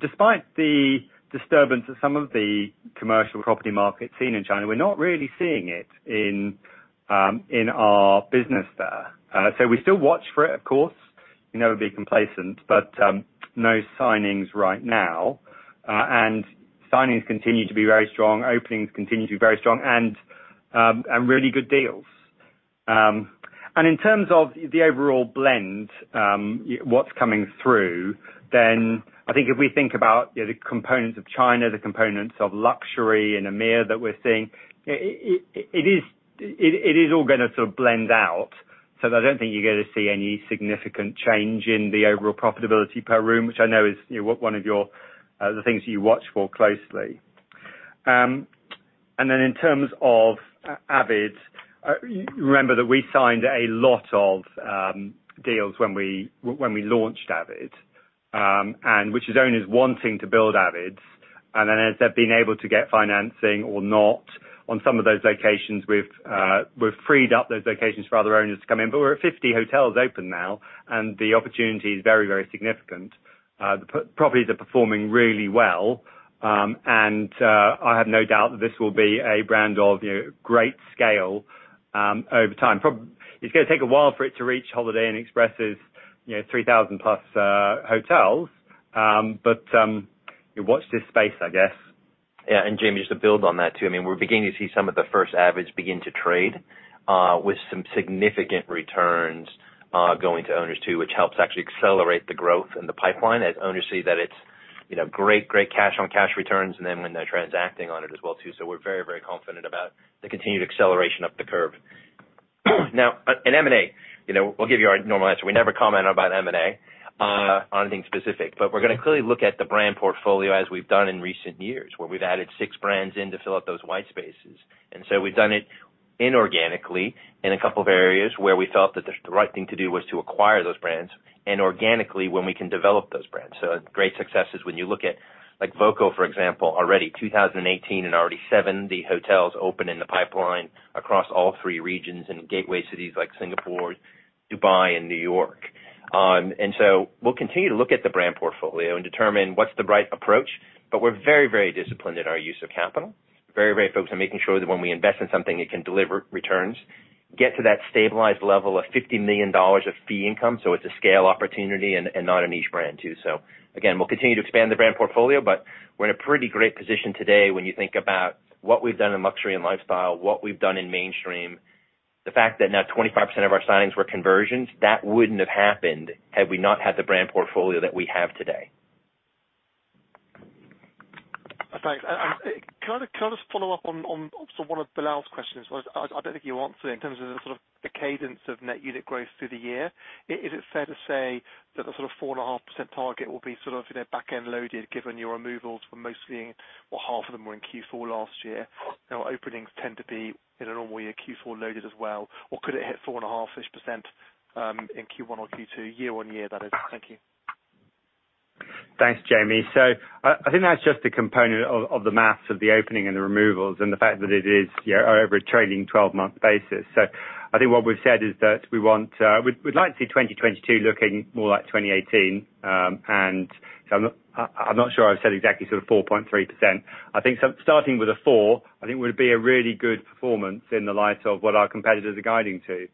Despite the disturbance of some of the commercial property markets seen in China, we're not really seeing it in our business there. We still watch for it, of course, you know, be complacent, but no signings right now. Signings continue to be very strong. Openings continue to be very strong and really good deals. In terms of the overall blend, what's coming through, then I think if we think about, you know, the components of China, the components of luxury and Amer that we're seeing, it is all gonna sort of blend out. I don't think you're gonna see any significant change in the overall profitability per room, which I know is, you know, one of the things you watch for closely. In terms of Avid, remember that we signed a lot of deals when we launched Avid, and which is owners wanting to build Avids. As they're being able to get financing or not on some of those locations, we've freed up those locations for other owners to come in. We're at 50 hotels open now, and the opportunity is very, very significant. The properties are performing really well, and I have no doubt that this will be a brand of, you know, great scale, over time. It's gonna take a while for it to reach Holiday Inn Express's, you know, 3,000+ hotels. Watch this space, I guess. Yeah, Jamie, just to build on that, too, I mean, we're beginning to see some of the first avids begin to trade with some significant returns going to owners, too, which helps actually accelerate the growth in the pipeline as owners see that it's, you know, great cash on cash returns and then when they're transacting on it as well, too. We're very confident about the continued acceleration up the curve. Now, in M&A, you know, we'll give you our normal answer. We never comment about M&A on anything specific. We're gonna clearly look at the brand portfolio as we've done in recent years, where we've added six brands in to fill up those white spaces. We've done it inorganically in a couple of areas where we felt that the right thing to do was to acquire those brands and organically when we can develop those brands. Great successes when you look at, like, voco, for example, already 2018 and already 70 hotels open in the pipeline across all three regions in gateway cities like Singapore, Dubai, and New York. We'll continue to look at the brand portfolio and determine what's the right approach. We're very, very disciplined in our use of capital, very, very focused on making sure that when we invest in something, it can deliver returns. Get to that stabilized level of $50 million of fee income. It's a scale opportunity and not a niche brand too. Again, we'll continue to expand the brand portfolio, but we're in a pretty great position today when you think about what we've done in luxury and lifestyle, what we've done in mainstream. The fact that now 25% of our signings were conversions, that wouldn't have happened had we not had the brand portfolio that we have today. Thanks. Can I just follow up on sort of one of Bilal's questions? I don't think you answered in terms of the sort of cadence of net unit growth through the year. Is it fair to say that the sort of 4.5% target will be sort of, you know, back-end loaded given your removals were mostly, or half of them were in Q4 last year? You know, openings tend to be in a normal year Q4 loaded as well. Or could it hit 4.5-ish% in Q1 or Q2, year-on-year that is? Thank you. Thanks, Jamie. I think that's just a component of the math of the opening and the removals and the fact that it is, you know, over a trailing twelve-month basis. I think what we've said is that we want. We'd like to see 2022 looking more like 2018. I'm not sure I've said exactly sort of 4.3%. I think starting with a 4%, I think would be a really good performance in the light of what our competitors are guiding to.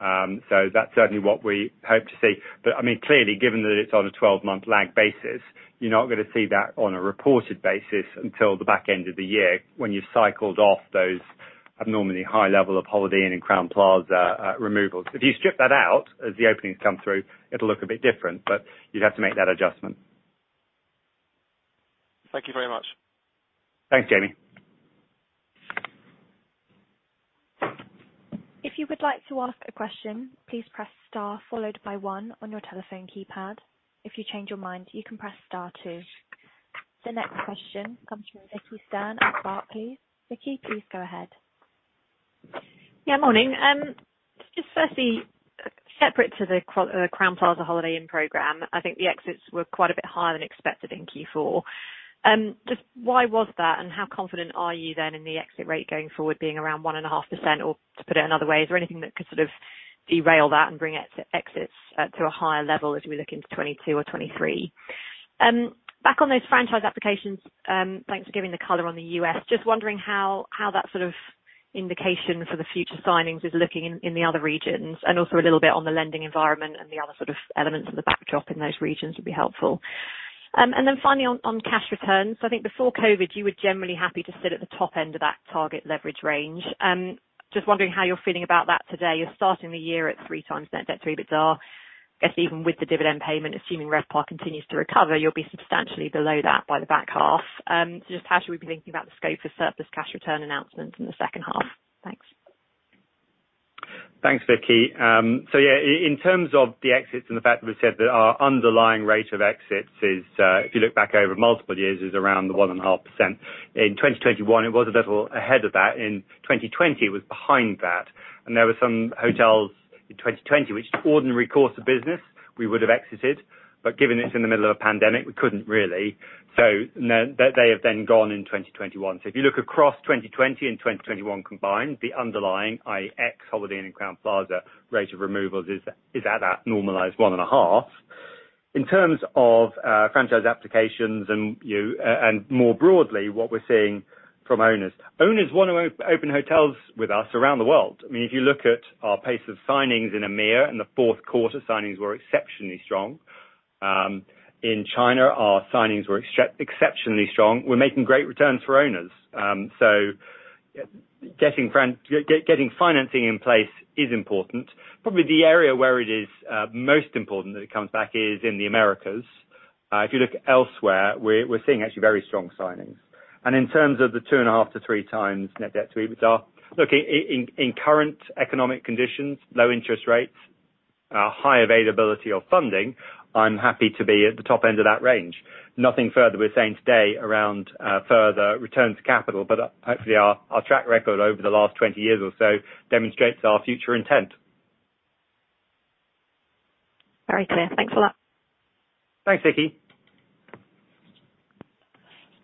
That's certainly what we hope to see. I mean, clearly, given that it's on a 12-month lag basis, you're not gonna see that on a reported basis until the back end of the year when you've cycled off those abnormally high level of Holiday Inn and Crowne Plaza removals. If you strip that out as the openings come through, it'll look a bit different, but you'd have to make that adjustment. Thank you very much. Thanks, Jamie. The next question comes from Vicki Stern at Barclays. Vicki, please go ahead. Yeah, morning. Just firstly, separate to the Crowne Plaza Holiday Inn program, I think the exits were quite a bit higher than expected in Q4. Just why was that, and how confident are you then in the exit rate going forward being around 1.5%? Or to put it another way, is there anything that could sort of derail that and bring it to exits to a higher level as we look into 2022 or 2023? Back on those franchise applications, thanks for giving the color on the U.S. Just wondering how that sort of indication for the future signings is looking in the other regions, and also a little bit on the lending environment and the other sort of elements of the backdrop in those regions would be helpful. Finally on cash returns, I think before COVID, you were generally happy to sit at the top end of that target leverage range. Just wondering how you're feeling about that today. You're starting the year at 3x net debt to EBITDA. Guess even with the dividend payment, assuming RevPAR continues to recover, you'll be substantially below that by the back half. Just how should we be thinking about the scope for surplus cash return announcements in the second half? Thanks. Thanks, Vicky. In terms of the exits and the fact that we've said that our underlying rate of exits is, if you look back over multiple years, around the 1.5%. In 2021, it was a little ahead of that. In 2020, it was behind that. There were some hotels in 2020 which ordinary course of business we would have exited, but given it's in the middle of a pandemic, we couldn't really. They have then gone in 2021. If you look across 2020 and 2021 combined, the underlying, i.e. ex Holiday Inn and Crowne Plaza rate of removals is at that normalized 1.5%. In terms of franchise applications and you... More broadly, what we're seeing from owners want to open hotels with us around the world. I mean, if you look at our pace of signings in EMEA, in the Q4, signings were exceptionally strong. In China, our signings were exceptionally strong. We're making great returns for owners. Getting financing in place is important. Probably the area where it is most important that it comes back is in the Americas. If you look elsewhere, we're seeing actually very strong signings. In terms of the 2.5-3x net debt to EBITDA, look, in current economic conditions, low interest rates, high availability of funding, I'm happy to be at the top end of that range. Nothing further we're saying today around further return to capital, but hopefully our track record over the last 20 years or so demonstrates our future intent. Very clear. Thanks a lot. Thanks, Vicki.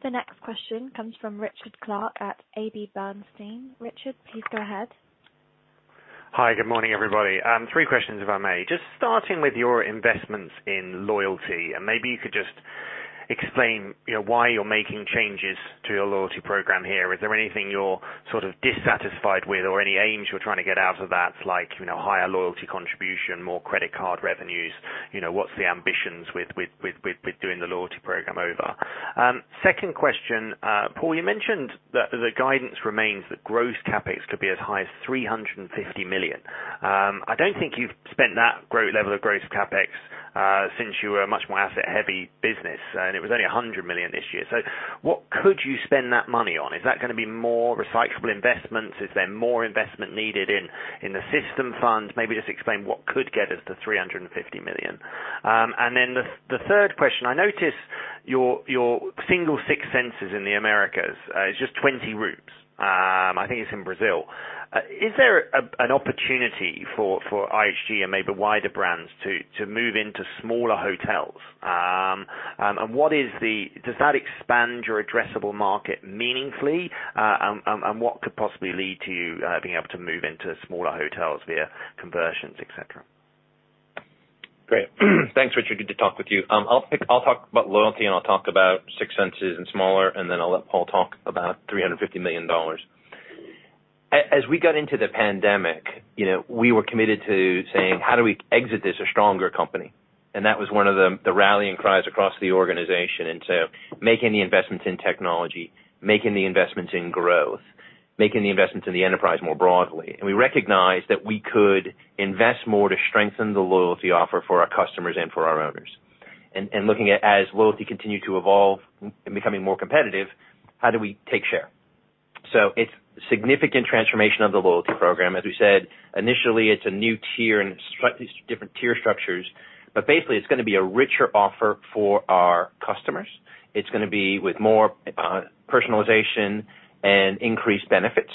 The next question comes from Richard Clarke at AB Bernstein. Richard, please go ahead. Hi, good morning, everybody. Three Questions, if I may. Just starting with your investments in loyalty, and maybe you could just explain, you know, why you're making changes to your loyalty program here. Is there anything you're sort of dissatisfied with or any aims you're trying to get out of that? Like, you know, higher loyalty contribution, more credit card revenues? You know, what's the ambitions with doing the loyalty program over? Second question. Paul, you mentioned that the guidance remains that gross CapEx could be as high as $350 million. I don't think you've spent that level of gross CapEx since you were a much more asset-heavy business, and it was only $100 million this year. So what could you spend that money on? Is that gonna be more recyclable investments? Is there more investment needed in the system funds? Maybe just explain what could get us to $350 million. And then the third question, I notice your single Six Senses in the Americas is just 20 rooms. I think it's in Brazil. Is there an opportunity for IHG and maybe wider brands to move into smaller hotels? And what is the? Does that expand your addressable market meaningfully? And what could possibly lead to you being able to move into smaller hotels via conversions, et cetera? Great. Thanks, Richard. Good to talk with you. I'll talk about loyalty and I'll talk about Six Senses and smaller, and then I'll let Paul talk about $350 million. As we got into the pandemic, you know, we were committed to saying, "How do we exit this a stronger company?" That was one of the rallying cries across the organization. Making the investments in technology, making the investments in growth, making the investments in the enterprise more broadly. We recognized that we could invest more to strengthen the loyalty offer for our customers and for our owners. Looking at, as loyalty continued to evolve and becoming more competitive, how do we take share? It's significant transformation of the loyalty program. As we said, initially it's a new tier and slightly different tier structures, but basically it's gonna be a richer offer for our customers. It's gonna be with more personalization and increased benefits,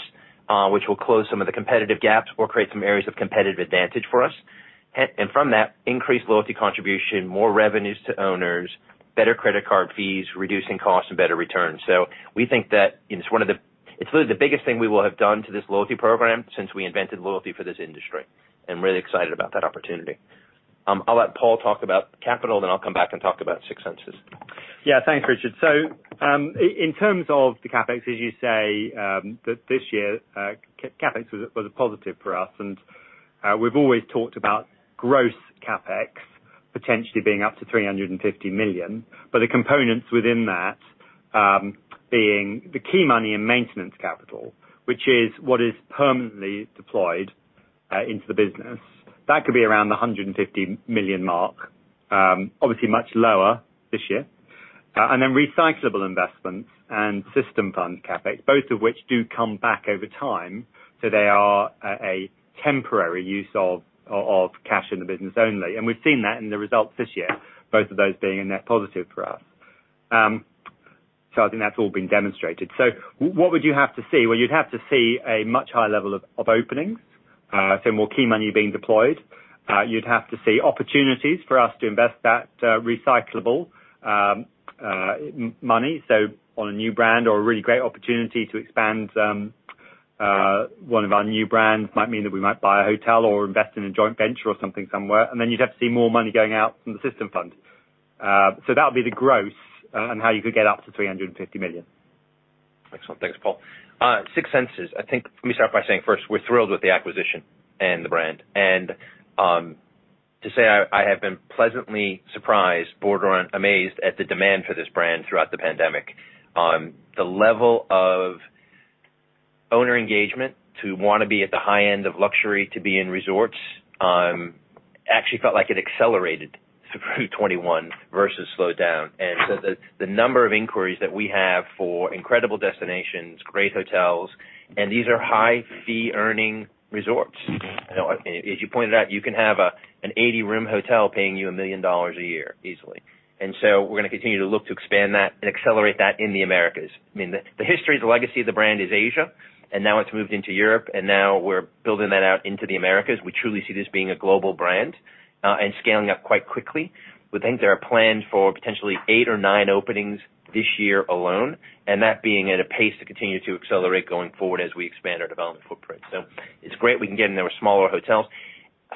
which will close some of the competitive gaps or create some areas of competitive advantage for us. From that increased loyalty contribution, more revenues to owners, better credit card fees, reducing costs and better returns. We think that it's really the biggest thing we will have done to this loyalty program since we invented loyalty for this industry. I'm really excited about that opportunity. I'll let Paul talk about capital, then I'll come back and talk about Six Senses. Yeah. Thanks, Richard. In terms of the CapEx, as you say, this year, CapEx was a positive for us. We've always talked about gross CapEx potentially being up to $350 million, but the components within that, being the key money and maintenance capital, which is what is permanently deployed into the business. That could be around the $150 million mark. Obviously much lower this year. And then recyclable investments and system fund CapEx, both of which do come back over time, so they are a temporary use of cash in the business only. We've seen that in the results this year, both of those being a net positive for us. I think that's all been demonstrated. What would you have to see? Well, you'd have to see a much higher level of openings, so more key money being deployed. You'd have to see opportunities for us to invest that recyclable money, so on a new brand or a really great opportunity to expand one of our new brands might mean that we might buy a hotel or invest in a joint venture or something somewhere. You'd have to see more money going out from the system fund. That would be the growth and how you could get up to 350 million. Excellent. Thanks, Paul. Six Senses. I think, let me start by saying first, we're thrilled with the acquisition and the brand. To say I have been pleasantly surprised, bordering on amazed at the demand for this brand throughout the pandemic. The level of owner engagement to wanna be at the high end of luxury, to be in resorts, actually felt like it accelerated through 2021 versus slowed down. The number of inquiries that we have for incredible destinations, great hotels, and these are high fee earning resorts. You know, as you pointed out, you can have an 80-room hotel paying you $1 million a year easily. We're gonna continue to look to expand that and accelerate that in the Americas. I mean, the history, the legacy of the brand is Asia, and now it's moved into Europe, and now we're building that out into the Americas. We truly see this being a global brand, and scaling up quite quickly. We think there are plans for potentially eight or nine openings this year alone, and that being at a pace to continue to accelerate going forward as we expand our development footprint. It's great we can get into our smaller hotels.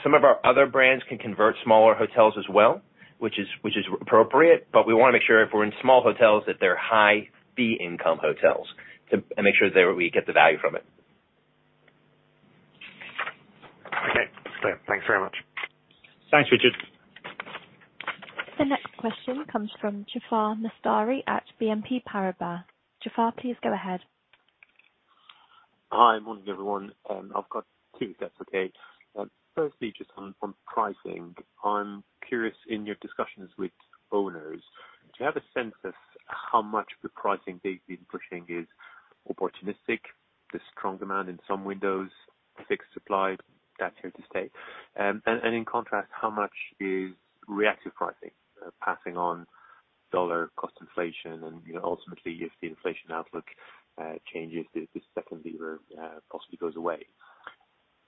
Some of our other brands can convert smaller hotels as well, which is appropriate, but we wanna make sure if we're in small hotels that they're high fee income hotels too, and make sure that we get the value from it. Okay. Great. Thanks very much. Thanks, Richard. The next question comes from Jaafar Mestari at BNP Paribas. Jaafar, please go ahead. Hi. Morning, everyone. I've got two, if that's okay. First, just on pricing. I'm curious, in your discussions with owners, do you have a sense of how much of the pricing they've been pushing is opportunistic, the strong demand in some windows, fixed supply that's here to stay? And in contrast, how much is reactive pricing, passing on dollar cost inflation and, you know, ultimately if the inflation outlook changes, this second lever possibly goes away?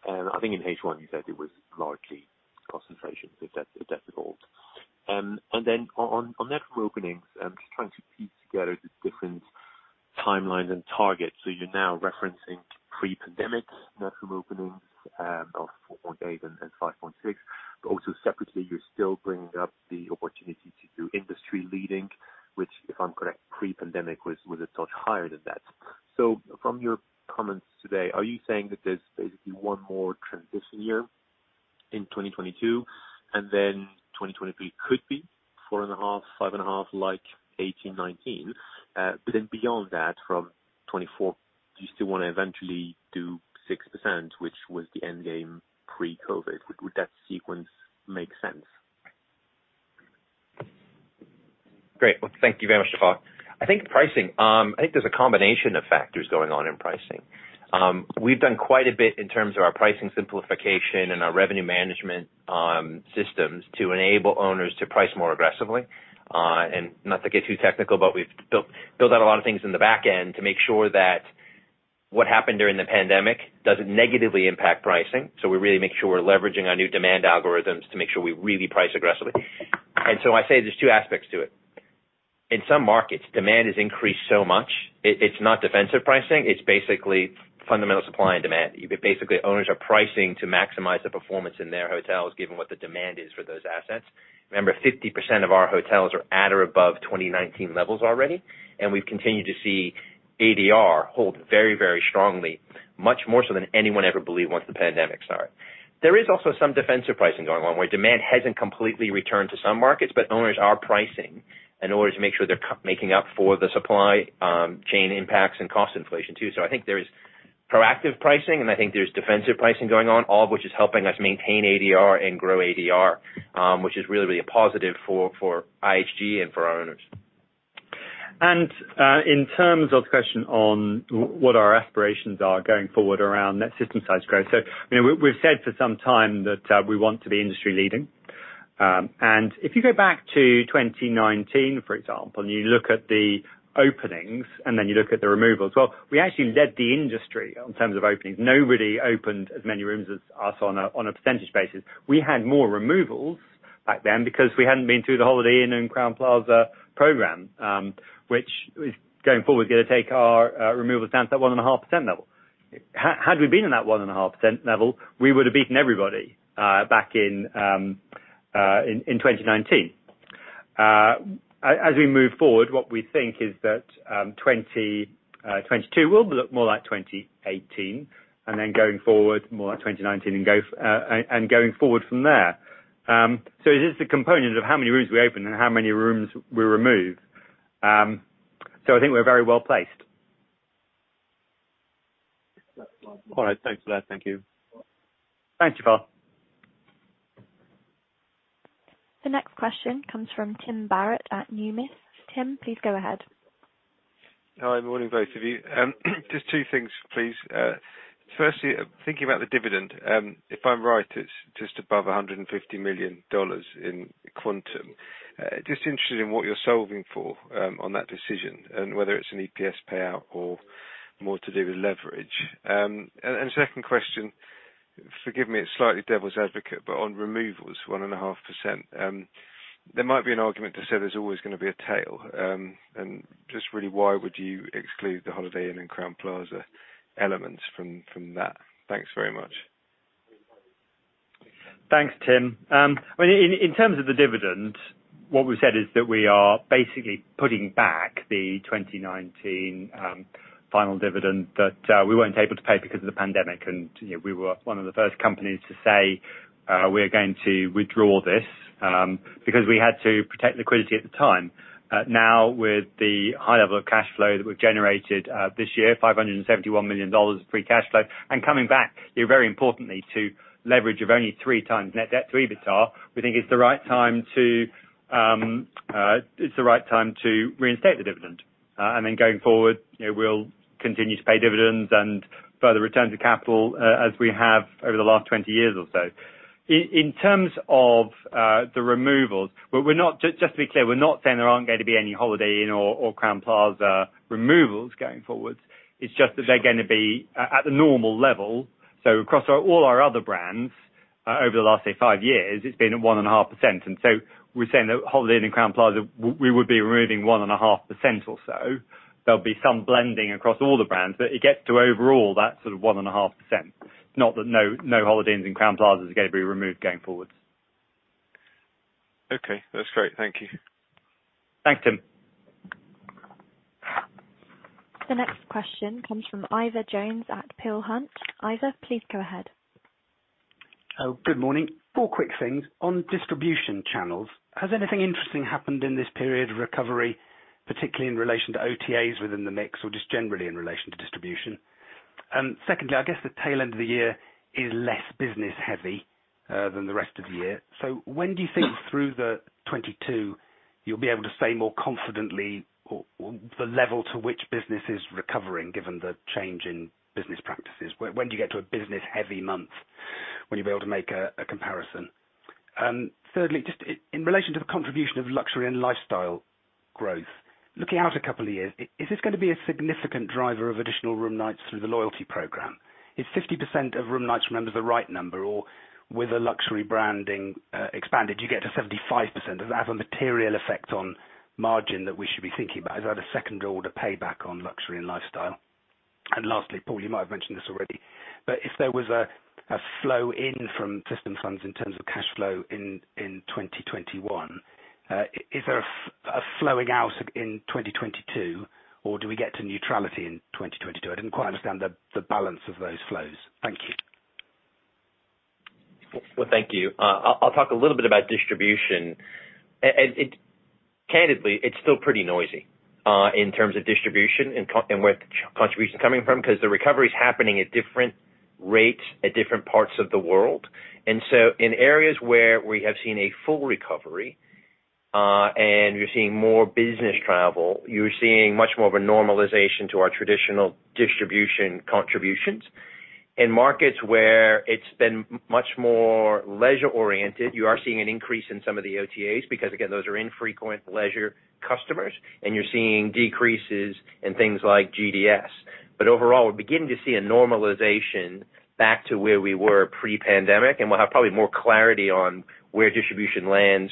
I think in H1 you said it was largely cost inflation, so if that's evolved. Then on net new openings, I'm just trying to piece together the different timelines and targets. You're now referencing In some markets, demand has increased so much, it's not defensive pricing, it's basically fundamental supply and demand. Basically, owners are pricing to maximize the performance in their hotels, given what the demand is for those assets. Remember, 50% of our hotels are at or above 2019 levels already, and we've continued to see ADR hold very, very strongly, much more so than anyone ever believed once the pandemic started. There is also some defensive pricing going on, where demand hasn't completely returned to some markets, but owners are pricing in order to make sure they're making up for the supply chain impacts and cost inflation too. I think there's proactive pricing, and I think there's defensive pricing going on, all of which is helping us maintain ADR and grow ADR, which is really a positive for IHG and for our owners. In terms of the question on what our aspirations are going forward around net system size growth. You know, we've said for some time that we want to be industry-leading. If you go back to 2019, for example, and you look at the openings and then you look at the removals, well, we actually led the industry in terms of openings. Nobody opened as many rooms as us on a percentage basis. We had more removals back then because we hadn't been through the Holiday Inn and Crowne Plaza program, which is going forward, gonna take our removals down to that 1.5% level. Had we been in that 1.5% level, we would have beaten everybody back in 2019. As we move forward, what we think is that 2022 will look more like 2018, and then going forward, more like 2019 and going forward from there. It is the component of how many rooms we open and how many rooms we remove. I think we're very well-placed. All right. Thanks for that. Thank you. Thank you, Paul. The next question comes from Tim Barrett at Numis. Tim, please go ahead. Hi, morning, both of you. Just two things, please. Firstly, thinking about the dividend, if I'm right, it's just above $150 million in quantum. Just interested in what you're solving for on that decision, and whether it's an EPS payout or more to do with leverage. Second question, forgive me, it's slightly devil's advocate, but on removals, 1.5%, there might be an argument to say there's always gonna be a tail. Just really, why would you exclude the Holiday Inn and Crowne Plaza elements from that? Thanks very much. Thanks, Tim. Well, in terms of the dividend, what we've said is that we are basically putting back the 2019 final dividend that we weren't able to pay because of the pandemic. You know, we were one of the first companies to say, "We're going to withdraw this," because we had to protect liquidity at the time. Now with the high level of cash flow that we've generated this year, $571 million of free cash flow, and coming back, you know, very importantly, to leverage of only 3x net debt to EBITDA, we think it's the right time to reinstate the dividend. Going forward, you know, we'll continue to pay dividends and further return to capital as we have over the last 20 years or so. In terms of the removals, we're not just to be clear, we're not saying there aren't gonna be any Holiday Inn or Crowne Plaza removals going forward. It's just that they're gonna be at the normal level. Across our all our other brands over the last say five years, it's been at 1.5%. We're saying that Holiday Inn and Crowne Plaza we would be removing 1.5% or so. There'll be some blending across all the brands, but it gets to overall that sort of 1.5%. Not that no Holiday Inns and Crowne Plazas are gonna be removed going forward. Okay. That's great. Thank you. Thanks, Tim. The next question comes from Ivor Jones at Peel Hunt. Ivor, please go ahead. Oh, good morning. Four quick things. On distribution channels, has anything interesting happened in this period of recovery, particularly in relation to OTAs within the mix, or just generally in relation to distribution? Secondly, I guess the tail end of the year is less business heavy than the rest of the year. When do you think through 2022 you'll be able to say more confidently or the level to which business is recovering given the change in business practices? When do you get to a business heavy month when you'll be able to make a comparison? Thirdly, just in relation to the contribution of luxury and lifestyle growth, looking out a couple of years, is this gonna be a significant driver of additional room nights through the loyalty program? Is 50% of room nights remembered the right number or with a luxury branding expanded, you get to 75%? Does that have a material effect on margin that we should be thinking about? Is that a second order payback on luxury and lifestyle? Lastly, Paul, you might have mentioned this already, but if there was a flow in from system funds in terms of cash flow in 2021, is there a flowing out in 2022, or do we get to neutrality in 2022? I didn't quite understand the balance of those flows. Thank you. Well, thank you. I'll talk a little bit about distribution. Candidly, it's still pretty noisy in terms of distribution and where the contribution is coming from, 'cause the recovery is happening at different rates at different parts of the world. In areas where we have seen a full recovery and you're seeing more business travel, you're seeing much more of a normalization to our traditional distribution contributions. In markets where it's been much more leisure-oriented, you are seeing an increase in some of the OTAs, because again, those are infrequent leisure customers, and you're seeing decreases in things like GDS. Overall, we're beginning to see a normalization back to where we were pre-pandemic, and we'll have probably more clarity on where distribution lands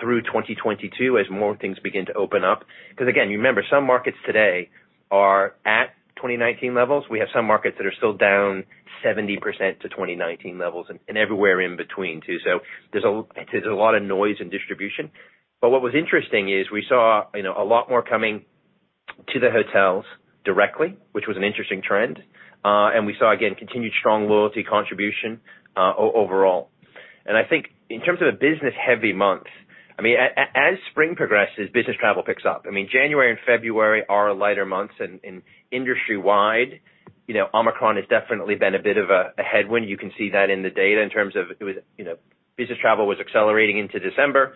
through 2022 as more things begin to open up. Because again, you remember, some markets today are at 2019 levels. We have some markets that are still down 70% to 2019 levels and everywhere in between too. So there's a lot of noise in distribution. What was interesting is we saw, you know, a lot more coming to the hotels directly, which was an interesting trend. And we saw, again, continued strong loyalty contribution overall. I think in terms of the business-heavy month, I mean, as spring progresses, business travel picks up. I mean, January and February are lighter months and industry-wide, you know, Omicron has definitely been a bit of a headwind. You can see that in the data in terms of it was, you know, business travel was accelerating into December.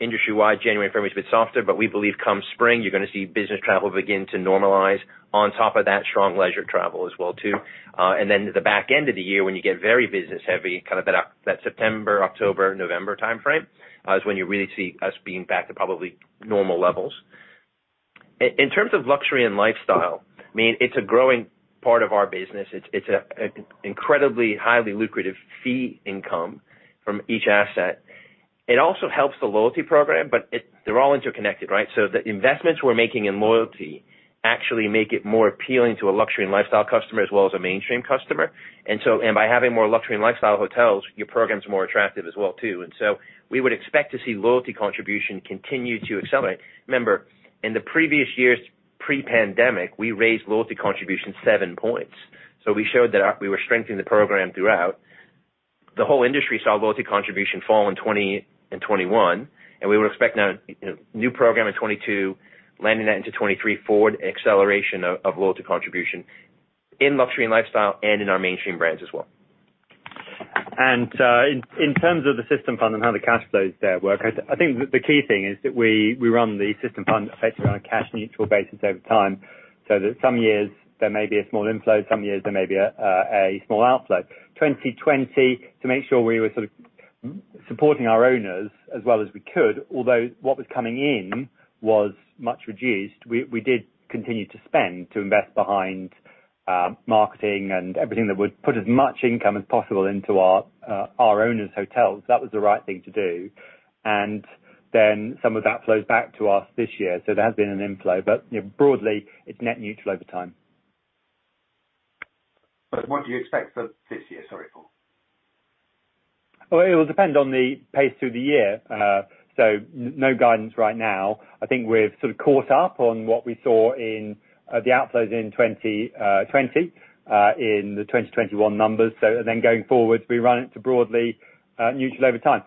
Industry-wide, January, February has been softer, but we believe come spring, you're gonna see business travel begin to normalize on top of that strong leisure travel as well, too. At the back end of the year when you get very business-heavy, kind of that September, October, November timeframe is when you really see us being back to probably normal levels. In terms of luxury and lifestyle, I mean, it's a growing part of our business. It's an incredibly highly lucrative fee income from each asset. It also helps the loyalty program, but it, they're all interconnected, right? The investments we're making in loyalty actually make it more appealing to a luxury and lifestyle customer as well as a mainstream customer. By having more luxury and lifestyle hotels, your program is more attractive as well, too. We would expect to see loyalty contribution continue to accelerate. Remember, in the previous years pre-pandemic, we raised loyalty contribution seven points. We showed that we were strengthening the program throughout. The whole industry saw loyalty contribution fall in 2020 and 2021, and we would expect now, you know, new program in 2022, landing that into 2023 forward acceleration of loyalty contribution in luxury and lifestyle and in our mainstream brands as well. In terms of the system fund and how the cash flows there work, I think the key thing is that we run the system fund effectively on a cash neutral basis over time, so that some years there may be a small inflow, some years there may be a small outflow. In 2020, to make sure we were sort of supporting our owners as well as we could, although what was coming in was much reduced, we did continue to spend to invest behind marketing and everything that would put as much income as possible into our owners' hotels. That was the right thing to do. Then some of that flows back to us this year. So there has been an inflow, but you know, broadly, it's net neutral over time. What do you expect for this year? Sorry, Paul. Well, it will depend on the pace through the year. No guidance right now. I think we've sort of caught up on what we saw in the outflows in 2021 numbers. Going forward, we expect it to broadly neutral over time.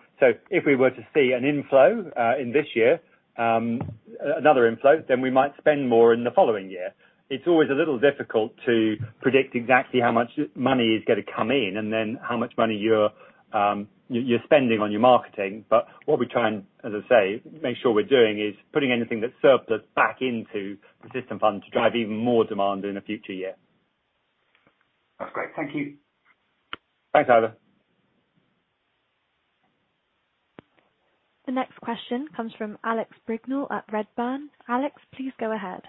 If we were to see an inflow in this year, another inflow, then we might spend more in the following year. It's always a little difficult to predict exactly how much money is gonna come in and then how much money you're spending on your marketing. What we try and, as I say, make sure we're doing is putting anything that's surplus back into the system fund to drive even more demand in a future year. That's great. Thank you. Thanks, Ivor. The next question comes from Alex Brignall at Redburn. Alex, please go ahead.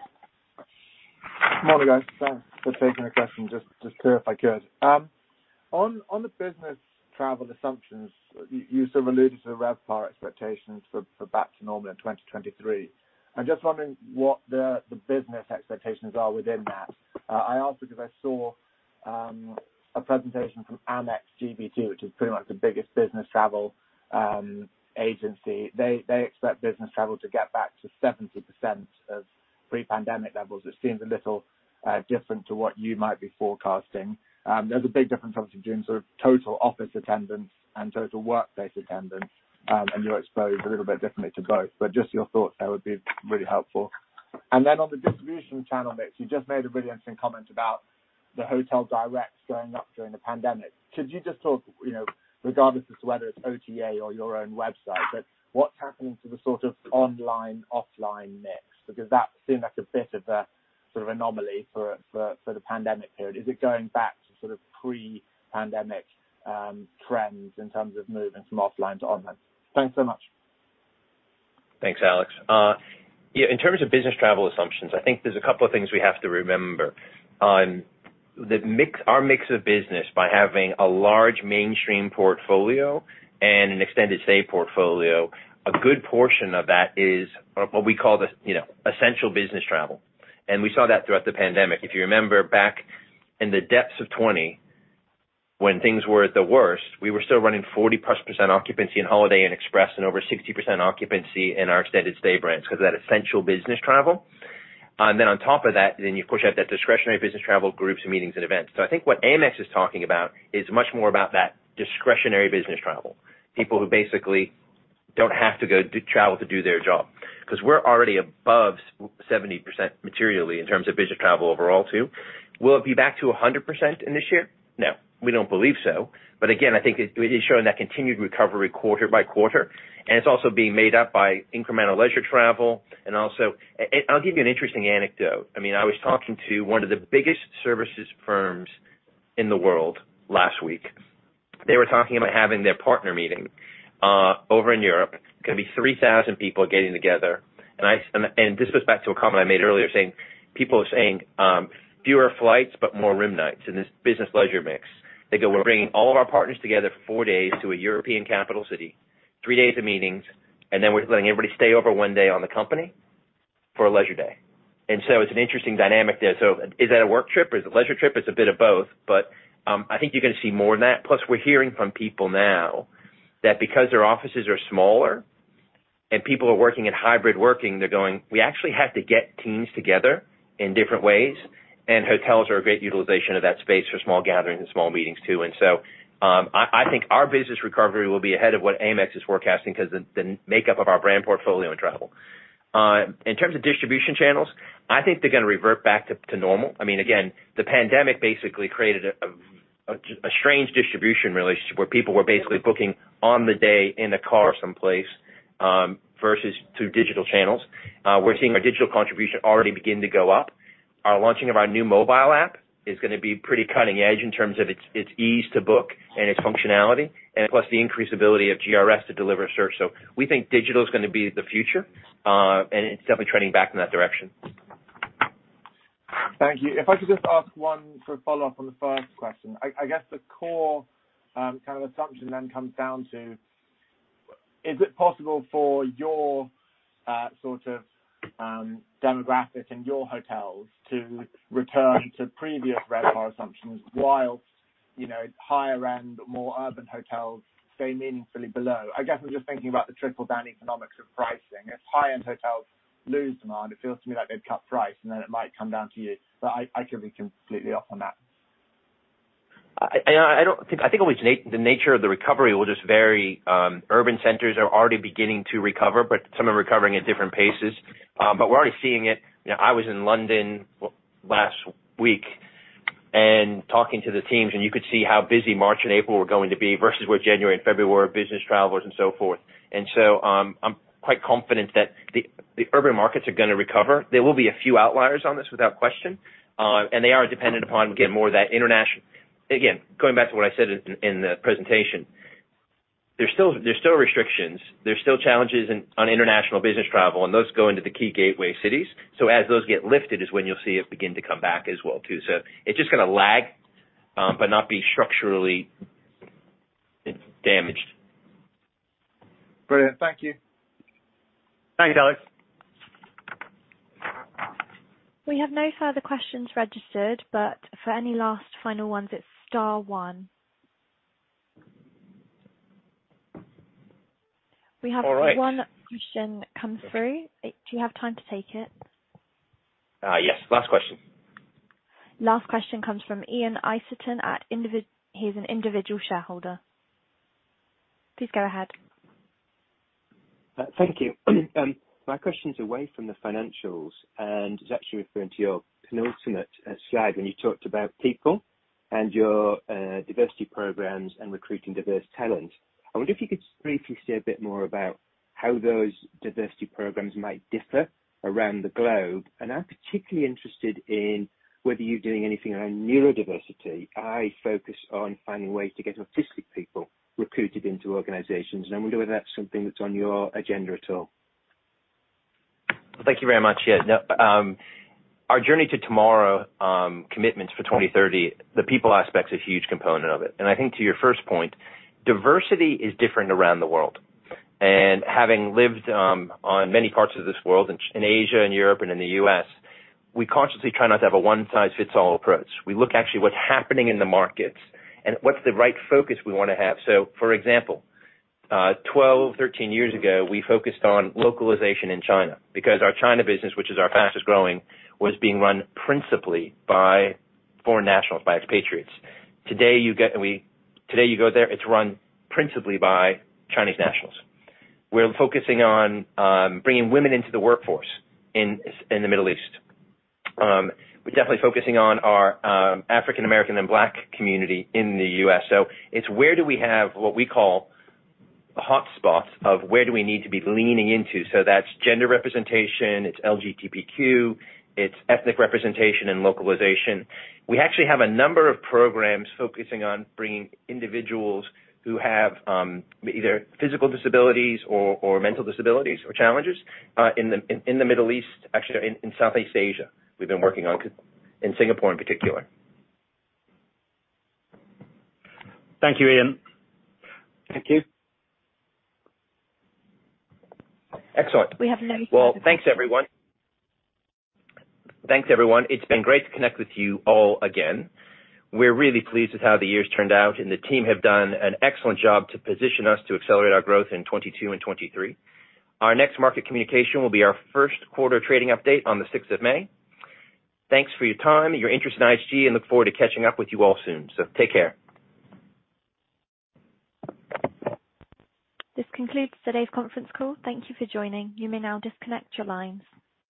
Morning, guys. Thanks for taking the question. Just to clarify, Chris. On the business travel assumptions, you sort of alluded to the RevPAR expectations for back to normal in 2023. I'm just wondering what the business expectations are within that. I ask because I saw a presentation from Amex GBT, which is pretty much the biggest business travel agency. They expect business travel to get back to 70% of pre-pandemic levels, which seems a little different to what you might be forecasting. There's a big difference, obviously, between sort of total office attendance and total workplace attendance, and you're exposed a little bit differently to both. Just your thoughts there would be really helpful. On the distribution channel mix, you just made a really interesting comment about the hotel directs going up during the pandemic. Could you just talk, you know, regardless as to whether it's OTA or your own website, but what's happening to the sort of online/offline mix? Because that seems like a bit of a sort of anomaly for the pandemic period. Is it going back to sort of pre-pandemic trends in terms of movements from offline to online? Thanks so much. Thanks, Alex. Yeah, in terms of business travel assumptions, I think there's a couple of things we have to remember. On the mix, our mix of business by having a large mainstream portfolio and an extended stay portfolio, a good portion of that is what we call the, you know, essential business travel. We saw that throughout the pandemic. If you remember back in the depths of 2020, when things were at their worst, we were still running 40%+ occupancy in Holiday Inn Express and over 60% occupancy in our extended stay brands because of that essential business travel. Then on top of that, then you push out that discretionary business travel, groups, meetings, and events. I think what Amex is talking about is much more about that discretionary business travel, people who basically don't have to travel to do their job. Because we're already above 70% materially in terms of business travel overall, too. Will it be back to 100% in this year? No, we don't believe so. Again, I think it is showing that continued recovery quarter-by-quarter, and it's also being made up by incremental leisure travel. Also, and I'll give you an interesting anecdote. I mean, I was talking to one of the biggest services firms in the world last week. They were talking about having their partner meeting over in Europe. Gonna be 3,000 people getting together. And this goes back to a comment I made earlier saying, people are saying, fewer flights but more room nights in this business leisure mix. They go, "We're bringing all of our partners together for four days to a European capital city, three days of meetings, and then we're letting everybody stay over one day on the company for a leisure day." It's an interesting dynamic there. Is that a work trip or is it a leisure trip? It's a bit of both. I think you're gonna see more of that. Plus, we're hearing from people now that because their offices are smaller and people are working in hybrid working, they're going, "We actually have to get teams together in different ways," and hotels are a great utilization of that space for small gatherings and small meetings, too. I think our business recovery will be ahead of what Amex is forecasting because the makeup of our brand portfolio in travel. In terms of distribution channels, I think they're gonna revert back to normal. I mean, again, the pandemic basically created a very strange distribution relationship where people were basically booking on the day in a car someplace versus through digital channels. We're seeing our digital contribution already begin to go up. Our launching of our new mobile app is gonna be pretty cutting edge in terms of its ease to book and its functionality and plus the increased ability of GRS to deliver search. We think digital is gonna be the future, and it's definitely trending back in that direction. Thank you. If I could just ask one sort of follow-up on the first question. I guess the core kind of assumption then comes down to, is it possible for your sort of demographic and your hotels to return to previous RevPAR assumptions while, you know, higher end, more urban hotels stay meaningfully below? I guess I'm just thinking about the trickle-down economics of pricing. If high-end hotels lose demand, it feels to me like they'd cut price, and then it might come down to you. But I could be completely off on that. I think the nature of the recovery will just vary. Urban centers are already beginning to recover, but some are recovering at different paces. We're already seeing it. You know, I was in London last week and talking to the teams, and you could see how busy March and April were going to be versus what January and February were, business travelers and so forth. I'm quite confident that the urban markets are gonna recover. There will be a few outliers on this without question. They are dependent upon, again, more of that international. Going back to what I said in the presentation, there's still restrictions. There's still challenges in on international business travel, and those go into the key gateway cities. As those get lifted is when you'll see it begin to come back as well, too. It's just gonna lag, but not be structurally damaged. Brilliant. Thank you. Thank you, Alex. We have no further questions registered, but for any last final ones, it's star one. All right. We have one question come through. Do you have time to take it? Yes. Last question. Last question comes from Ian Iserton. He's an individual shareholder. Please go ahead. Thank you. My question's away from the financials, and it's actually referring to your penultimate slide when you talked about people and your diversity programs and recruiting diverse talent. I wonder if you could briefly say a bit more about how those diversity programs might differ around the globe. I'm particularly interested in whether you're doing anything around neurodiversity. I focus on finding ways to get autistic people recruited into organizations, and I wonder whether that's something that's on your agenda at all. Thank you very much. Yeah. No, our Journey to Tomorrow commitments for 2030, the people aspect's a huge component of it. I think to your first point, diversity is different around the world. Having lived on many parts of this world, in Asia and Europe and in the U.S., we consciously try not to have a one-size-fits-all approach. We look actually what's happening in the markets and what's the right focus we wanna have. For example, 12, 13 years ago, we focused on localization in China because our China business, which is our fastest-growing, was being run principally by foreign nationals, by expatriates. Today you go there, it's run principally by Chinese nationals. We're focusing on bringing women into the workforce in the Middle East. We're definitely focusing on our African American and Black community in the U.S. It's where do we have what we call hotspots of where do we need to be leaning into. That's gender representation, it's LGBTQ, it's ethnic representation and localization. We actually have a number of programs focusing on bringing individuals who have either physical disabilities or mental disabilities or challenges in the Middle East, actually in Southeast Asia, we've been working on inclusion in Singapore in particular. Thank you, Ian. Thank you. Excellent. We have no- Well, thanks, everyone. It's been great to connect with you all again. We're really pleased with how the year's turned out, and the team have done an excellent job to position us to accelerate our growth in 2022 and 2023. Our next market communication will be our Q1 trading update on the sixth of May. Thanks for your time and your interest in IHG, and look forward to catching up with you all soon. Take care. This concludes today's conference call. Thank you for joining. You may now disconnect your lines.